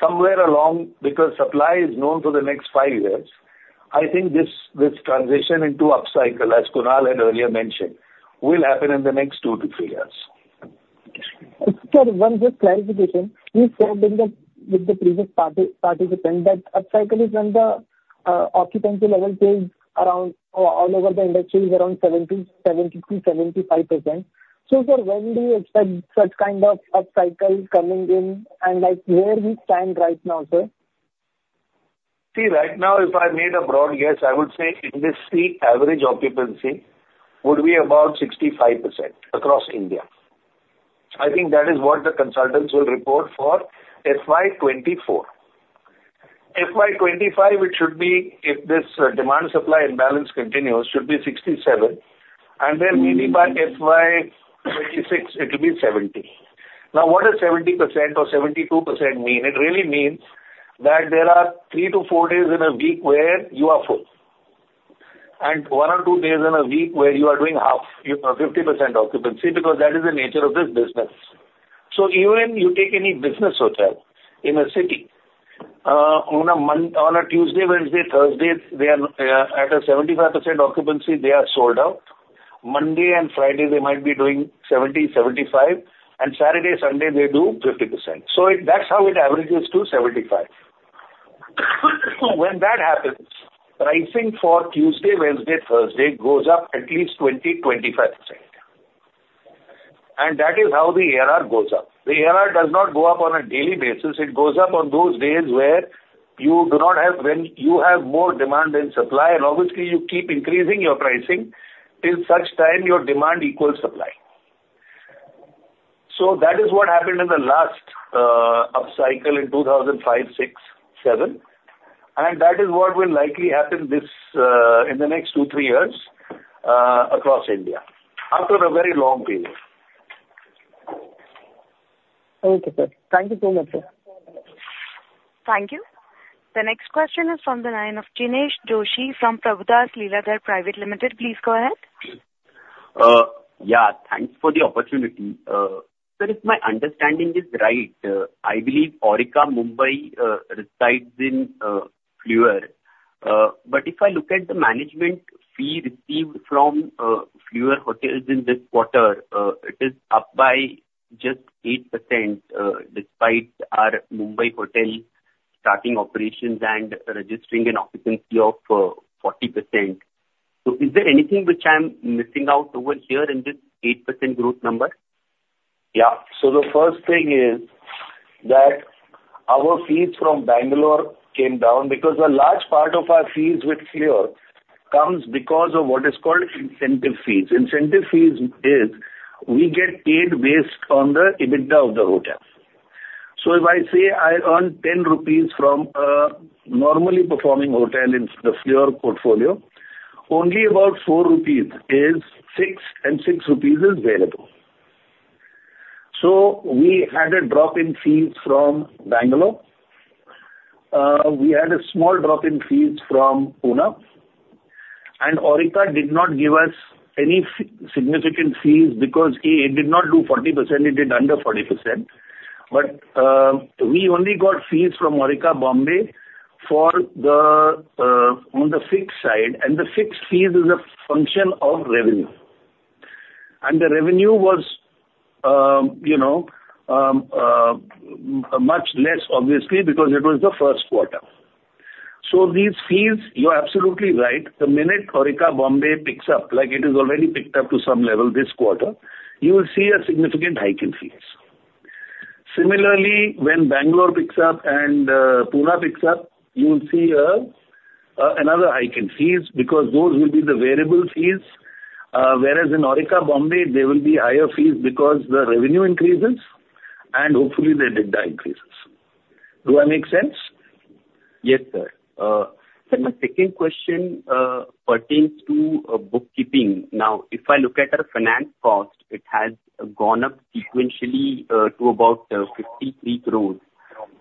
somewhere along, because supply is known for the next five years, I think this, this transition into upcycle, as Kunal had earlier mentioned, will happen in the next two to three years. Sir, just one clarification. You said in the, with the previous participant, that upcycle is when the occupancy level is around, or all over the industry, is around 70%-75%. So, sir, when do you expect such kind of upcycle coming in, and, like, where we stand right now, sir? See, right now, if I made a broad guess, I would say industry average occupancy would be about 65% across India. I think that is what the consultants will report for FY 2024. FY 2025, it should be, if this demand-supply imbalance continues, should be 67, and then maybe by FY 2026, it will be 70. Now, what does 70% or 72% mean? It really means that there are 3-4 days in a week where you are full, and 1 or 2 days in a week where you are doing half, you know, 50% occupancy, because that is the nature of this business. So even if you take any business hotel in a city on a Monday, on a Tuesday, Wednesday, Thursday, they are at a 75% occupancy, they are sold out. Monday and Friday, they might be doing 70, 75, and Saturday, Sunday, they do 50%. So it, that's how it averages to 75. When that happens, pricing for Tuesday, Wednesday, Thursday goes up at least 20%-25%. And that is how the ARR goes up. The ARR does not go up on a daily basis. It goes up on those days where when you have more demand than supply, and obviously, you keep increasing your pricing till such time your demand equals supply. So that is what happened in the last, upcycle in 2005, 2006, 2007, and that is what will likely happen this, in the next two, three years, across India, after a very long period. Thank you, sir. Thank you so much, sir. Thank you. The next question is from the line of Jinesh Joshi from Prabhudas Lilladher Private Limited. Please go ahead. Yeah, thanks for the opportunity. Sir, if my understanding is right, I believe Aurika, Mumbai resides in Fleur. But if I look at the management fee received from Fleur Hotels in this quarter, it is up by just 8%, despite our Mumbai hotel starting operations and registering an occupancy of 40%. So is there anything which I'm missing out over here in this 8% growth number? Yeah. So the first thing is that our fees from Bangalore came down because a large part of our fees with Fleur comes because of what is called incentive fees. Incentive fees is we get paid based on the EBITDA of the hotel. So if I say I earn 10 rupees from a normally performing hotel in the Fleur portfolio, only about 4 rupees is fixed, and 6 rupees is variable. So we had a drop in fees from Bangalore. We had a small drop in fees from Pune, and Aurika did not give us any significant fees because it did not do 40%, it did under 40%. But we only got fees from Aurika, Mumbai, on the fixed side, and the fixed fees is a function of revenue. The revenue was, you know, much less obviously, because it was the first quarter. So these fees, you are absolutely right. The minute Aurika, Mumbai picks up, like it is already picked up to some level this quarter, you will see a significant hike in fees. Similarly, when Bangalore picks up and Pune picks up, you will see another hike in fees because those will be the variable fees. Whereas in Aurika, Mumbai, there will be higher fees because the revenue increases and hopefully the EBITDA increases. Do I make sense? Yes, sir. Sir, my second question pertains to bookkeeping. Now, if I look at our finance cost, it has gone up sequentially to about 53 crore.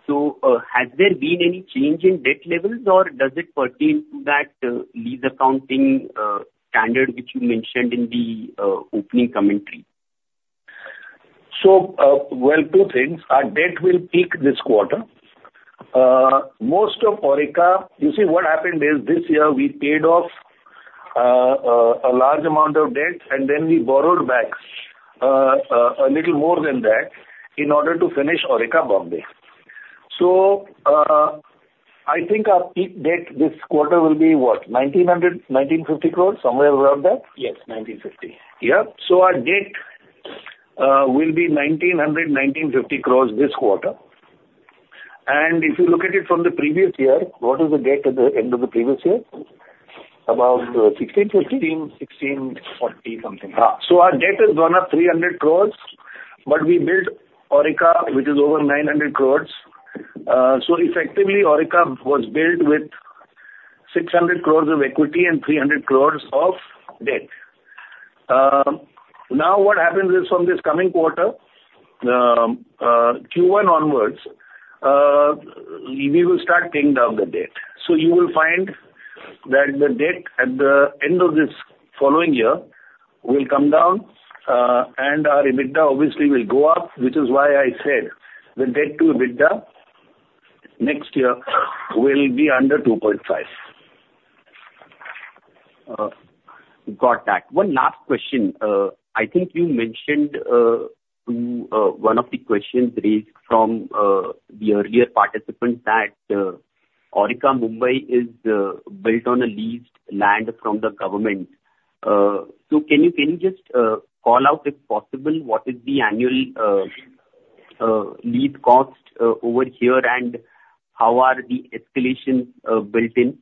So, has there been any change in debt levels, or does it pertain to that lease accounting standard, which you mentioned in the opening commentary? So, well, two things. Our debt will peak this quarter. Most of Aurika—You see, what happened is, this year we paid off a large amount of debt, and then we borrowed back a little more than that in order to finish Aurika, Mumbai. So, I think our peak debt this quarter will be what? 1,900-1,950 crores, somewhere around that? Yes, 1950. Yeah. So our debt will be 1,900-1,950 crores this quarter. And if you look at it from the previous year, what is the debt at the end of the previous year? About 1,600-1,500? 16, 16.40, something like that. So our debt has gone up 300 crore, but we built Aurika, which is over 900 crore. So effectively, Aurika was built with 600 crore of equity and 300 crore of debt. Now, what happens is from this coming quarter, Q1 onwards, we will start paying down the debt. So you will find that the debt at the end of this following year will come down, and our EBITDA obviously will go up, which is why I said the debt to EBITDA next year will be under 2.5. Got that. One last question. I think you mentioned, to, one of the questions raised from, the earlier participant, that, Aurika, Mumbai, is, built on a leased land from the government. So can you, can you just, call out, if possible, what is the annual, lease cost, over here, and how are the escalations, built in?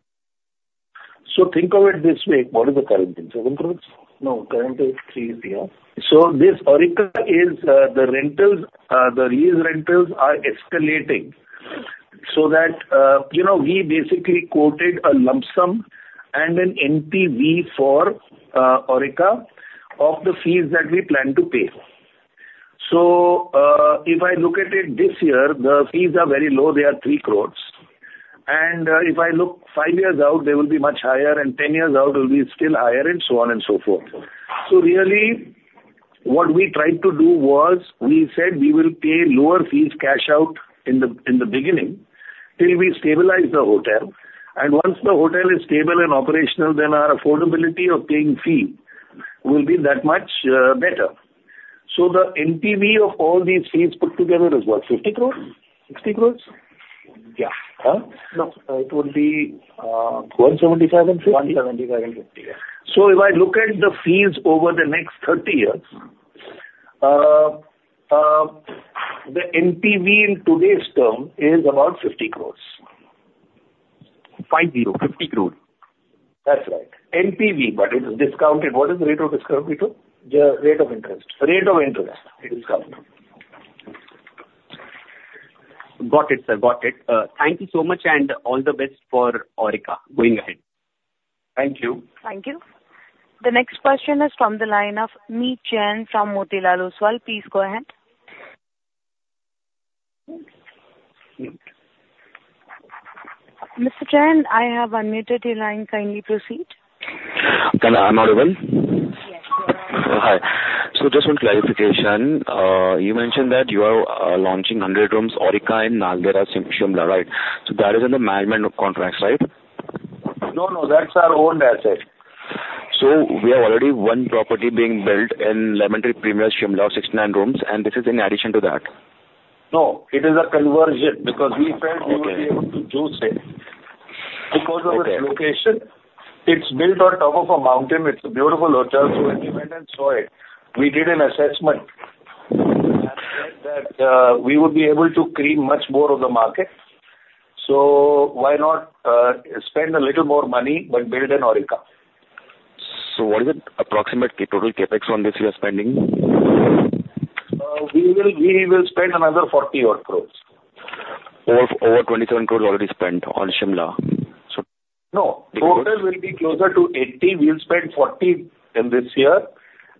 Think of it this way: What is the current in 7 crores? No, current is 3 billion. So this Aurika is, the rentals, the lease rentals are escalating. So that, you know, we basically quoted a lump sum and an NPV for Aurika, of the fees that we plan to pay. So, if I look at it this year, the fees are very low, they are 3 crore. And, if I look 5 years out, they will be much higher and 10 years out, they'll be still higher, and so on and so forth. What we tried to do was, we said we will pay lower fees cash out in the, in the beginning, till we stabilize the hotel, and once the hotel is stable and operational, then our affordability of paying fee will be that much, better. So the NPV of all these fees put together is what? 50 crore? 60 crore? Yeah. Uh? No, it will be, 177.50 17,750, yeah. If I look at the fees over the next 30 years, the NPV in today's term is about 50 crore. 50 crore. That's right. NPV, but it is discounted. What is the rate of discount we took? The rate of interest. Rate of interest, it is coming. Got it, sir. Got it. Thank you so much, and all the best for Aurika going ahead. Thank you. Thank you. The next question is from the line of Meet Jain from Motilal Oswal. Please go ahead. Mr. Jain, I have unmuted your line, kindly proceed. Am I audible? Yes, you are. Hi. Just one clarification. You mentioned that you are launching 100 rooms Aurika in Naldehra, Shimla, right? That is in the management contracts, right? No, no, that's our own asset. We have already one property being built in Lemon Tree Premier, Shimla, 69 rooms, and this is in addition to that? No, it is a conversion- Okay. because we felt we would be able to use it because of its location. It's built on top of a mountain. It's a beautiful hotel. So when we went and saw it, we did an assessment, and said that we would be able to cream much more of the market. So why not spend a little more money, but build an Aurika? What is the approximate total CapEx on this you are spending? We will spend another 40-odd crore. Over 27 crore already spent on Shimla, so- No, total will be closer to 80. We'll spend 40 in this year,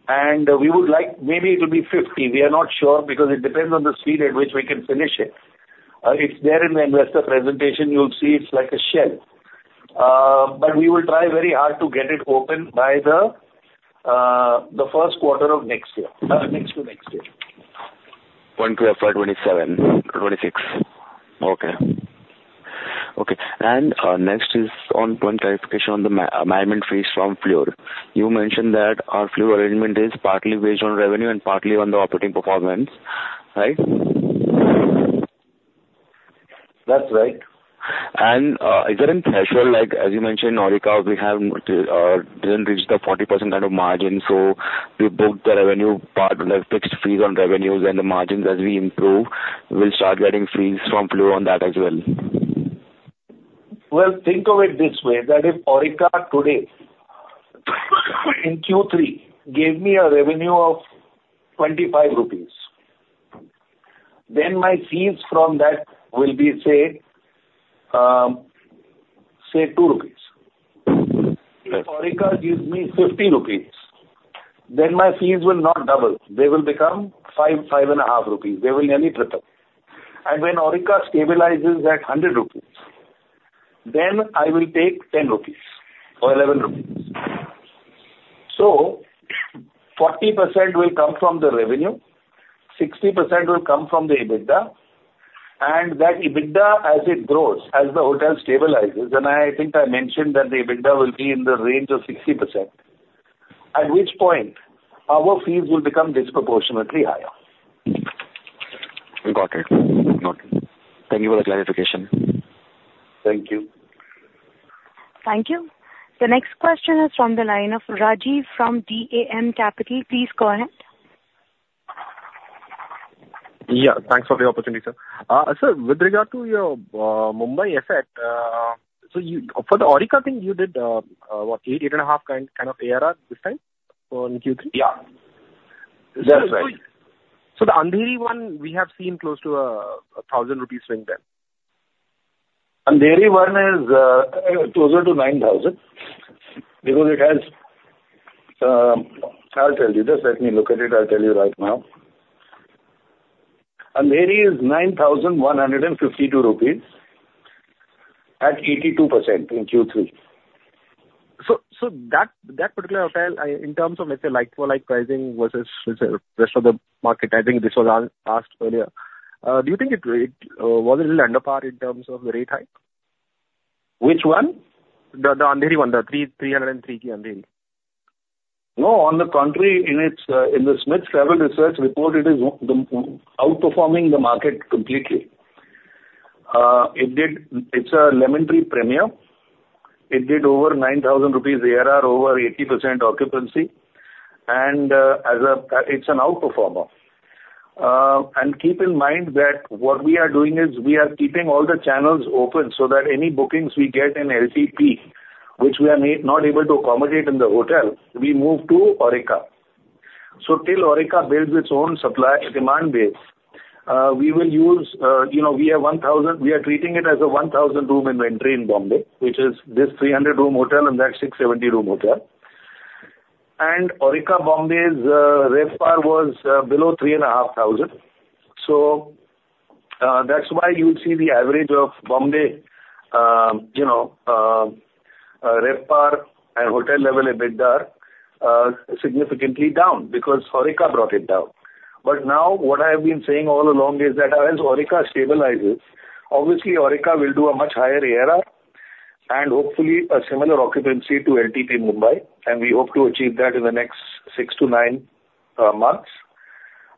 and we would like, maybe it will be 50. We are not sure, because it depends on the speed at which we can finish it. It's there in the investor presentation, you'll see it's like a shell. But we will try very hard to get it open by the first quarter of next year. Next to next year. One clear for 27, 26. Okay. Okay, and next is on one clarification on the management fees from Fleur. You mentioned that our Fleur arrangement is partly based on revenue and partly on the operating performance, right? That's right. Is there any threshold, like, as you mentioned, Aurika, we didn't reach the 40% kind of margin, so we booked the revenue part, like, fixed fees on revenues and the margins as we improve, we'll start getting fees from Fleur on that as well. Well, think of it this way, that if Aurika today, in Q3, gave me a revenue of 25 rupees, then my fees from that will be, say, say 2 rupees. If Aurika gives me 50 rupees, then my fees will not double. They will become 5, 5.5 rupees. They will nearly triple. And when Aurika stabilizes at 100 rupees, then I will take 10 rupees or 11 rupees. So 40% will come from the revenue, 60% will come from the EBITDA, and that EBITDA, as it grows, as the hotel stabilizes, and I think I mentioned that the EBITDA will be in the range of 60%, at which point our fees will become disproportionately higher. Got it. Noted. Thank you for the clarification. Thank you. Thank you. The next question is from the line of Rajiv from DAM Capital. Please go ahead. Yeah, thanks for the opportunity, sir. Sir, with regard to your Mumbai asset, so you—for the Aurika thing, you did what, 8, 8.5 kind of ARR this time on Q3? Yeah. That's right. The Andheri one, we have seen close to 1,000 rupees rent there. Andheri one is closer to 9,000 because it has. I'll tell you. Just let me look at it, I'll tell you right now. Andheri is 9,152 rupees at 82% in Q3. So, that particular hotel, in terms of, let's say, like-for-like pricing versus the rest of the market, I think this was asked earlier, do you think it was a little under par in terms of the rate hike? Which one? The Andheri one, the 303 Andheri. No, on the contrary, in its, in the Smith Travel Research report, it is outperforming the market completely. It did. It's a Lemon Tree Premier. It did over 9,000 rupees ARR, over 80% occupancy, and, as a, it's an outperformer. And keep in mind that what we are doing is we are keeping all the channels open so that any bookings we get in LTP, which we are not able to accommodate in the hotel, we move to Aurika. So till Aurika builds its own supply and demand base, we will use, you know, we have 1,000. We are treating it as a 1,000-room inventory in Mumbai, which is this 300-room hotel and that 670-room hotel. And Aurika Mumbai's RevPAR was below 3,500. So-... That's why you would see the average of Bombay, you know, RevPAR and hotel level EBITDA, significantly down because Aurika brought it down. But now what I have been saying all along is that as Aurika stabilizes, obviously Aurika will do a much higher ARR, and hopefully a similar occupancy to LTP Mumbai, and we hope to achieve that in the next 6-9 months.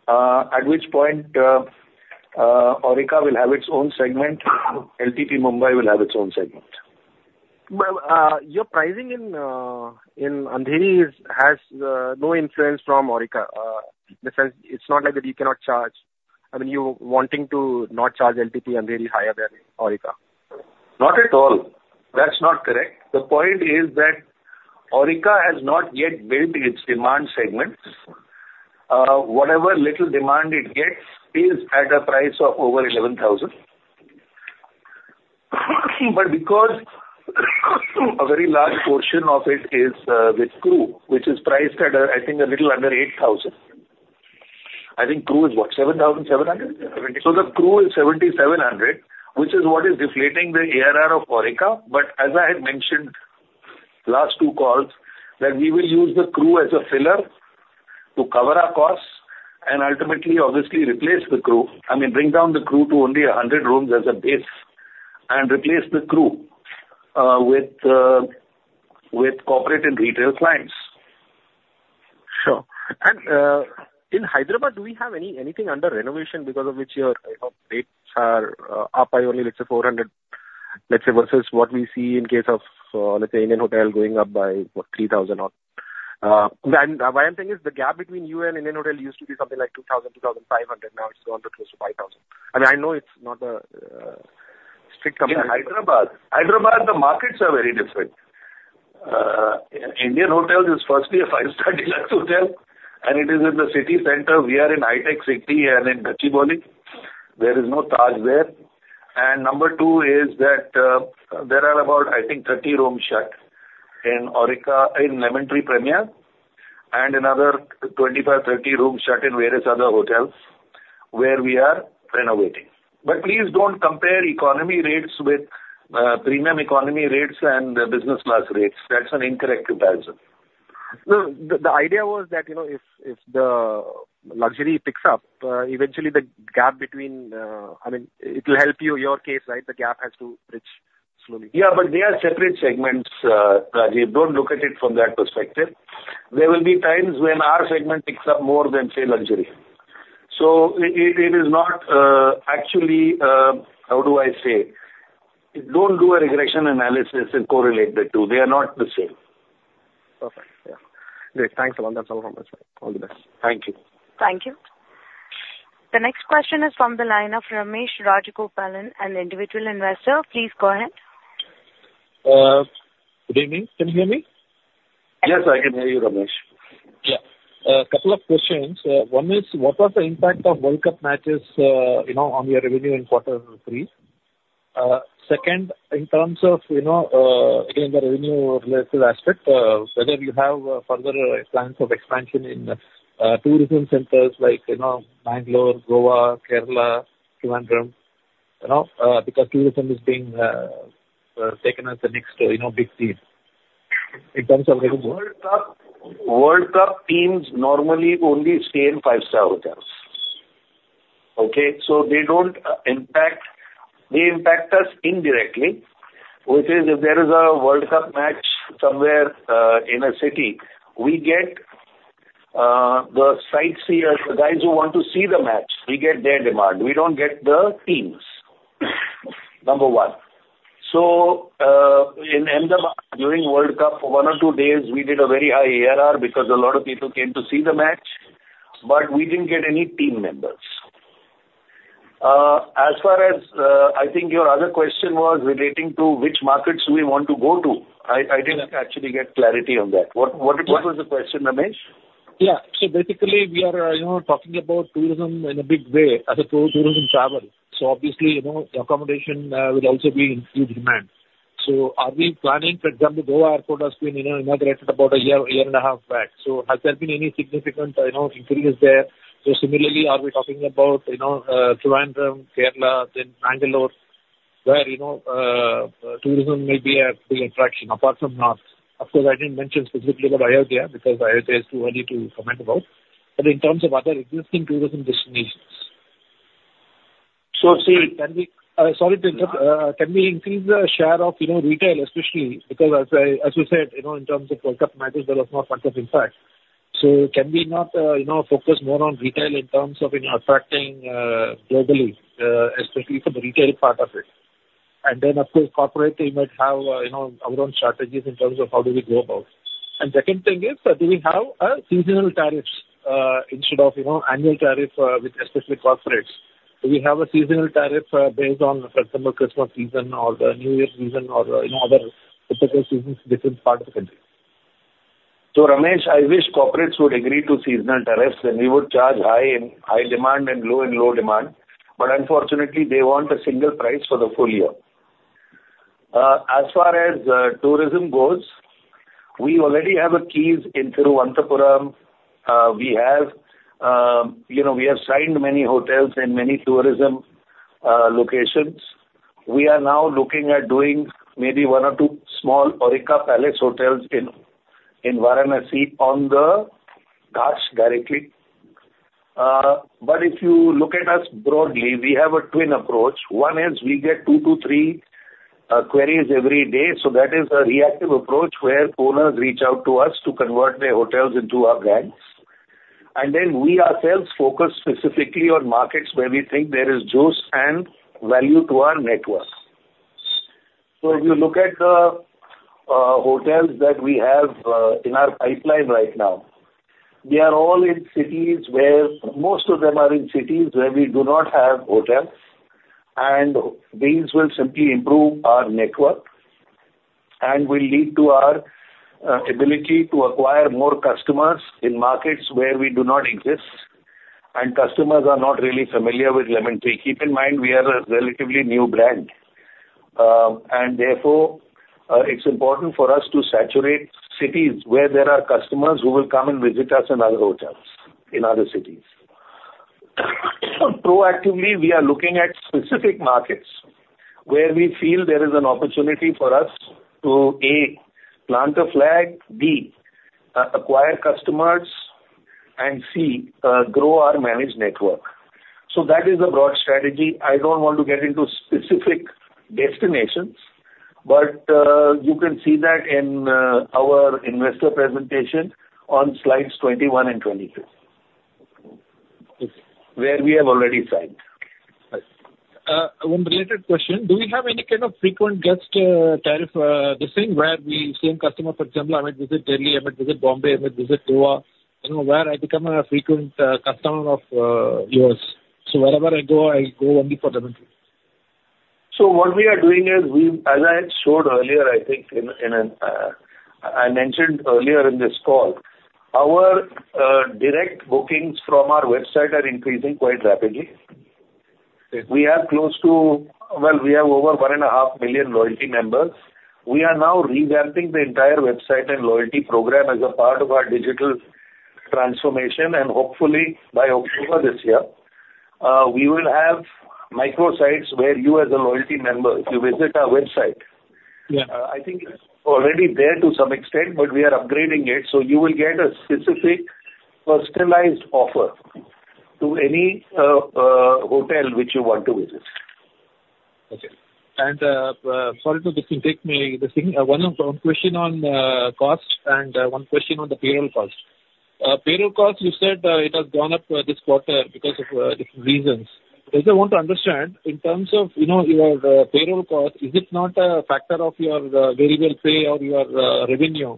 At which point, Aurika will have its own segment, LTP Mumbai will have its own segment. Well, your pricing in in Andheri is has no influence from Aurika. In the sense, it's not like that you cannot charge, I mean, you wanting to not charge LTP Andheri higher than Aurika. Not at all. That's not correct. The point is that Aurika has not yet built its demand segment. Whatever little demand it gets is at a price of over 11,000. But because a very large portion of it is with crew, which is priced at, I think a little under 8,000. I think crew is what? 7,700? Seventy. So the crew is 7,700, which is what is deflating the ARR of Aurika. But as I had mentioned last two calls, that we will use the crew as a filler to cover our costs and ultimately obviously replace the crew. I mean, bring down the crew to only 100 rooms as a base and replace the crew with corporate and retail clients. Sure. And, in Hyderabad, do we have anything under renovation because of which your, you know, rates are up by only, let's say, 400, let's say, versus what we see in case of, let's say, Indian Hotel going up by, what, 3,000 or. And why I'm saying is the gap between you and Indian Hotel used to be something like 2,000, 2,500, now it's gone to close to 5,000. I mean, I know it's not a strict comparison. In Hyderabad, Hyderabad, the markets are very different. Indian Hotel is firstly a five-star deluxe hotel, and it is in the city center. We are in HITEC City and in Gachibowli. There is no Taj there. And number two is that, there are about, I think, 30 rooms shut in Aurika, in Lemon Tree Premier, and another 25-30 rooms shut in various other hotels where we are renovating. But please don't compare economy rates with, premium economy rates and business class rates. That's an incorrect comparison. No, the idea was that, you know, if the luxury picks up, eventually the gap between... I mean, it'll help you, your case, right? The gap has to bridge slowly. Yeah, but they are separate segments, Rajiv. Don't look at it from that perspective. There will be times when our segment picks up more than, say, luxury. So it is not, actually, how do I say? Don't do a regression analysis and correlate the two. They are not the same. Perfect. Yeah. Great, thanks a lot. That's all from my side. All the best. Thank you. Thank you. The next question is from the line of Ramesh Rajagopalan, an individual investor. Please go ahead. Good evening. Can you hear me? Yes, I can hear you, Ramesh. Yeah. A couple of questions. One is, what was the impact of World Cup matches, you know, on your revenue in quarter three? Second, in terms of, you know, again, the revenue related aspect, whether you have further plans of expansion in tourism centers like, you know, Bangalore, Goa, Kerala, Trivandrum, you know, because tourism is being taken as the next, you know, big thing in terms of revenue. World Cup teams normally only stay in five-star hotels, okay? So they don't impact. They impact us indirectly, which is if there is a World Cup match somewhere in a city, we get the sightseers, the guys who want to see the match; we get their demand. We don't get the teams, number one. So, in the during World Cup, for one or two days, we did a very high ARR because a lot of people came to see the match, but we didn't get any team members. As far as, I think your other question was relating to which markets we want to go to. I didn't actually get clarity on that. What was the question, Ramesh? Yeah. So basically, we are, you know, talking about tourism in a big way, as a pro-tourism travel. So obviously, you know, accommodation will also be in huge demand. So are we planning, for example, Goa Airport has been, you know, inaugurated about a year, a year and a half back. So has there been any significant, you know, increase there? So similarly, are we talking about, you know, Trivandrum, Kerala, then Bangalore, where, you know, tourism may be a big attraction apart from north. Of course, I didn't mention specifically about Ayodhya, because Ayodhya is too early to comment about, but in terms of other existing tourism destinations. So, see, can we- Sorry to interrupt. Can we increase the share of, you know, retail especially, because as you said, you know, in terms of World Cup matches, there was no much of impact. So can we not, you know, focus more on retail in terms of, you know, attracting, globally, especially for the retail part of it? And then, of course, corporate, they might have, you know, our own strategies in terms of how do we go about. And second thing is, do we have, seasonal tariffs, instead of, you know, annual tariff, with especially corporates? Do we have a seasonal tariff, based on, for example, Christmas season or the New Year's season or, you know, other typical seasons, different part of the country? So, Ramesh, I wish corporates would agree to seasonal tariffs, then we would charge high in high demand and low in low demand, but unfortunately, they want a single price for the full year... As far as tourism goes, we already have a Keys in Thiruvananthapuram. We have, you know, we have signed many hotels in many tourism locations. We are now looking at doing maybe one or two small Aurika palace hotels in Varanasi on the ghats directly. But if you look at us broadly, we have a twin approach. One is we get two to three queries every day, so that is a reactive approach where owners reach out to us to convert their hotels into our brands. And then we ourselves focus specifically on markets where we think there is juice and value to our network. So if you look at the hotels that we have in our pipeline right now, they are all in cities where most of them are in cities where we do not have hotels, and these will simply improve our network and will lead to our ability to acquire more customers in markets where we do not exist and customers are not really familiar with Lemon Tree. Keep in mind, we are a relatively new brand, and therefore, it's important for us to saturate cities where there are customers who will come and visit us in our hotels, in other cities. Proactively, we are looking at specific markets where we feel there is an opportunity for us to, A, plant a flag, B, acquire customers, and C, grow our managed network. So that is the broad strategy. I don't want to get into specific destinations, but you can see that in our investor presentation on slides 21 and 22, where we have already signed. One related question: Do we have any kind of frequent guest tariff, this thing where the same customer, for example, I might visit Delhi, I might visit Bombay, I might visit Goa, you know, where I become a frequent customer of yours, so wherever I go, I'll go only for Lemon Tree? So what we are doing is—As I had showed earlier, I think in, in—I mentioned earlier in this call, our direct bookings from our website are increasing quite rapidly. We have close to... Well, we have over 1.5 million loyalty members. We are now revamping the entire website and loyalty program as a part of our digital transformation, and hopefully, by October this year, we will have micro sites where you as a loyalty member, if you visit our website- Yeah. I think it's already there to some extent, but we are upgrading it, so you will get a specific personalized offer to any hotel which you want to visit. Okay. And, sorry to take me this thing. One, one question on, cost and, one question on the payroll cost. Payroll cost, you said, it has gone up, this quarter because of, different reasons. I just want to understand, in terms of, you know, your, payroll cost, is it not a factor of your, variable pay or your, revenue,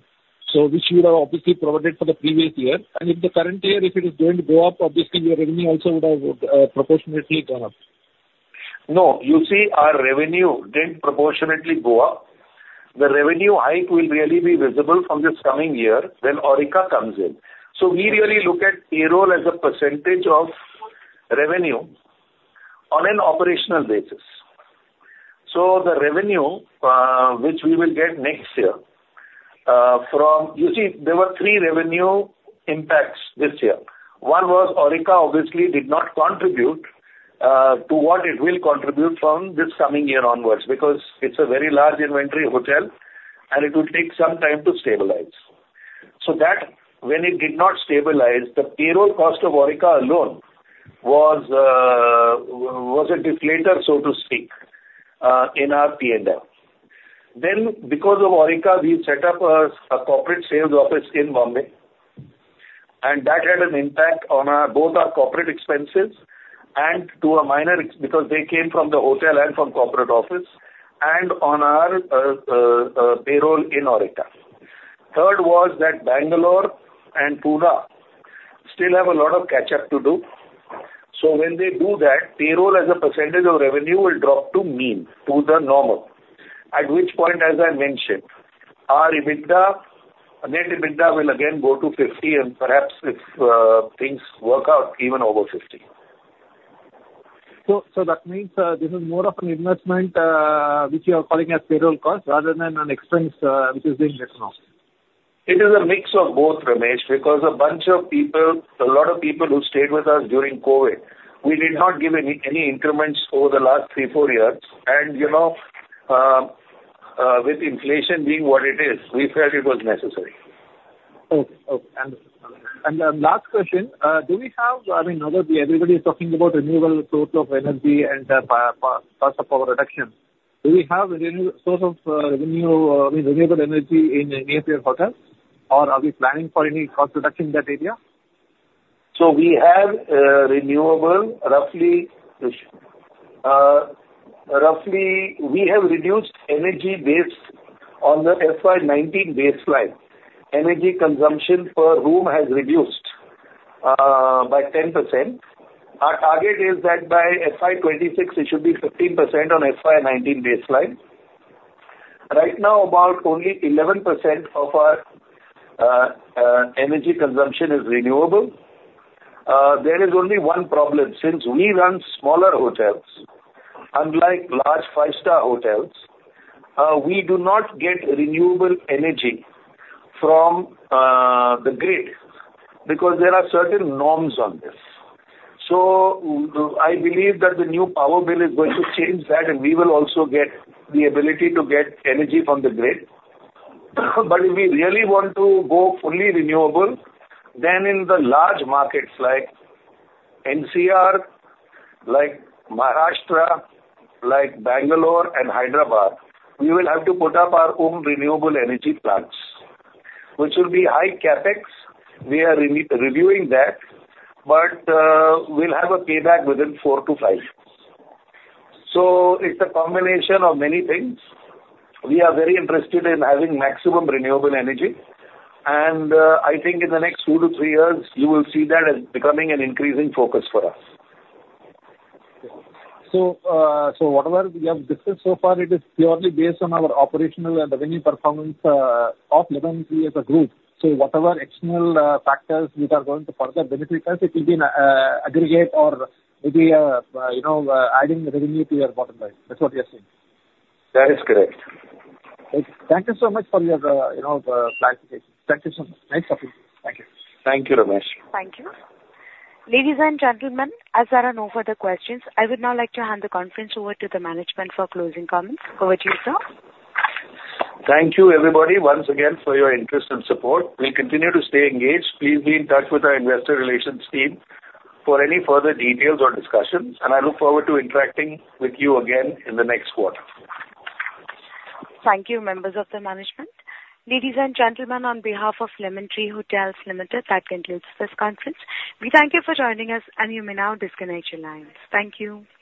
so which you have obviously provided for the previous year? And if the current year, if it is going to go up, obviously, your revenue also would have, proportionately gone up. No, you see, our revenue didn't proportionately go up. The revenue hike will really be visible from this coming year when Aurika comes in. So we really look at payroll as a percentage of revenue on an operational basis. So the revenue, which we will get next year, from... You see, there were three revenue impacts this year. One was Aurika obviously did not contribute, to what it will contribute from this coming year onwards, because it's a very large inventory hotel and it will take some time to stabilize. So that when it did not stabilize, the payroll cost of Aurika alone was, was a deflator, so to speak, in our P&L. Then, because of Aurika, we set up a corporate sales office in Bombay, and that had an impact on both our corporate expenses and to a minor extent because they came from the hotel and from corporate office, and on our payroll in Aurika. Third was that Bangalore and Pune still have a lot of catch-up to do. So when they do that, payroll as a percentage of revenue will drop to the mean, to the normal, at which point, as I mentioned, our EBITDA, net EBITDA will again go to 50% and perhaps if things work out, even over 50%. So, that means, this is more of an investment, which you are calling as payroll cost rather than an expense, which is being made now? It is a mix of both, Ramesh, because a bunch of people, a lot of people who stayed with us during COVID, we did not give any increments over the last 3-4 years. You know, with inflation being what it is, we felt it was necessary. Okay. Okay. And the last question, do we have—I mean, now that everybody is talking about renewable source of energy and power, power, cost of power reduction, do we have a renew source of revenue, I mean, renewable energy in any of your hotels? Or are we planning for any cost reduction in that area? So we have renewable, roughly, roughly we have reduced energy based on the FY 2019 baseline. Energy consumption per room has reduced by 10%. Our target is that by FY 2026, it should be 15% on FY 2019 baseline. Right now, about only 11% of our energy consumption is renewable. There is only one problem. Since we run smaller hotels, unlike large five-star hotels, we do not get renewable energy from the grid, because there are certain norms on this. So I believe that the new power bill is going to change that, and we will also get the ability to get energy from the grid. If we really want to go fully renewable, then in the large markets like NCR, like Maharashtra, like Bangalore and Hyderabad, we will have to put up our own renewable energy plants, which will be high CapEx. We are re-reviewing that, but we'll have a payback within 4-5. So it's a combination of many things. We are very interested in having maximum renewable energy, and I think in the next 2-3 years, you will see that as becoming an increasing focus for us. So whatever we have discussed so far, it is purely based on our operational and revenue performance of Lemon Tree as a group. So whatever external factors which are going to further benefit us, it will be in aggregate or maybe, you know, adding revenue to your bottom line. That's what you're saying? That is correct. Thank you so much for your, you know, clarification. Thank you so much. Nice talking to you. Thank you. Thank you, Ramesh. Thank you. Ladies and gentlemen, as there are no further questions, I would now like to hand the conference over to the management for closing comments. Over to you, sir. Thank you, everybody, once again, for your interest and support. We'll continue to stay engaged. Please be in touch with our investor relations team for any further details or discussions, and I look forward to interacting with you again in the next quarter. Thank you, members of the management. Ladies and gentlemen, on behalf of Lemon Tree Hotels Limited, that concludes this conference. We thank you for joining us, and you may now disconnect your lines. Thank you.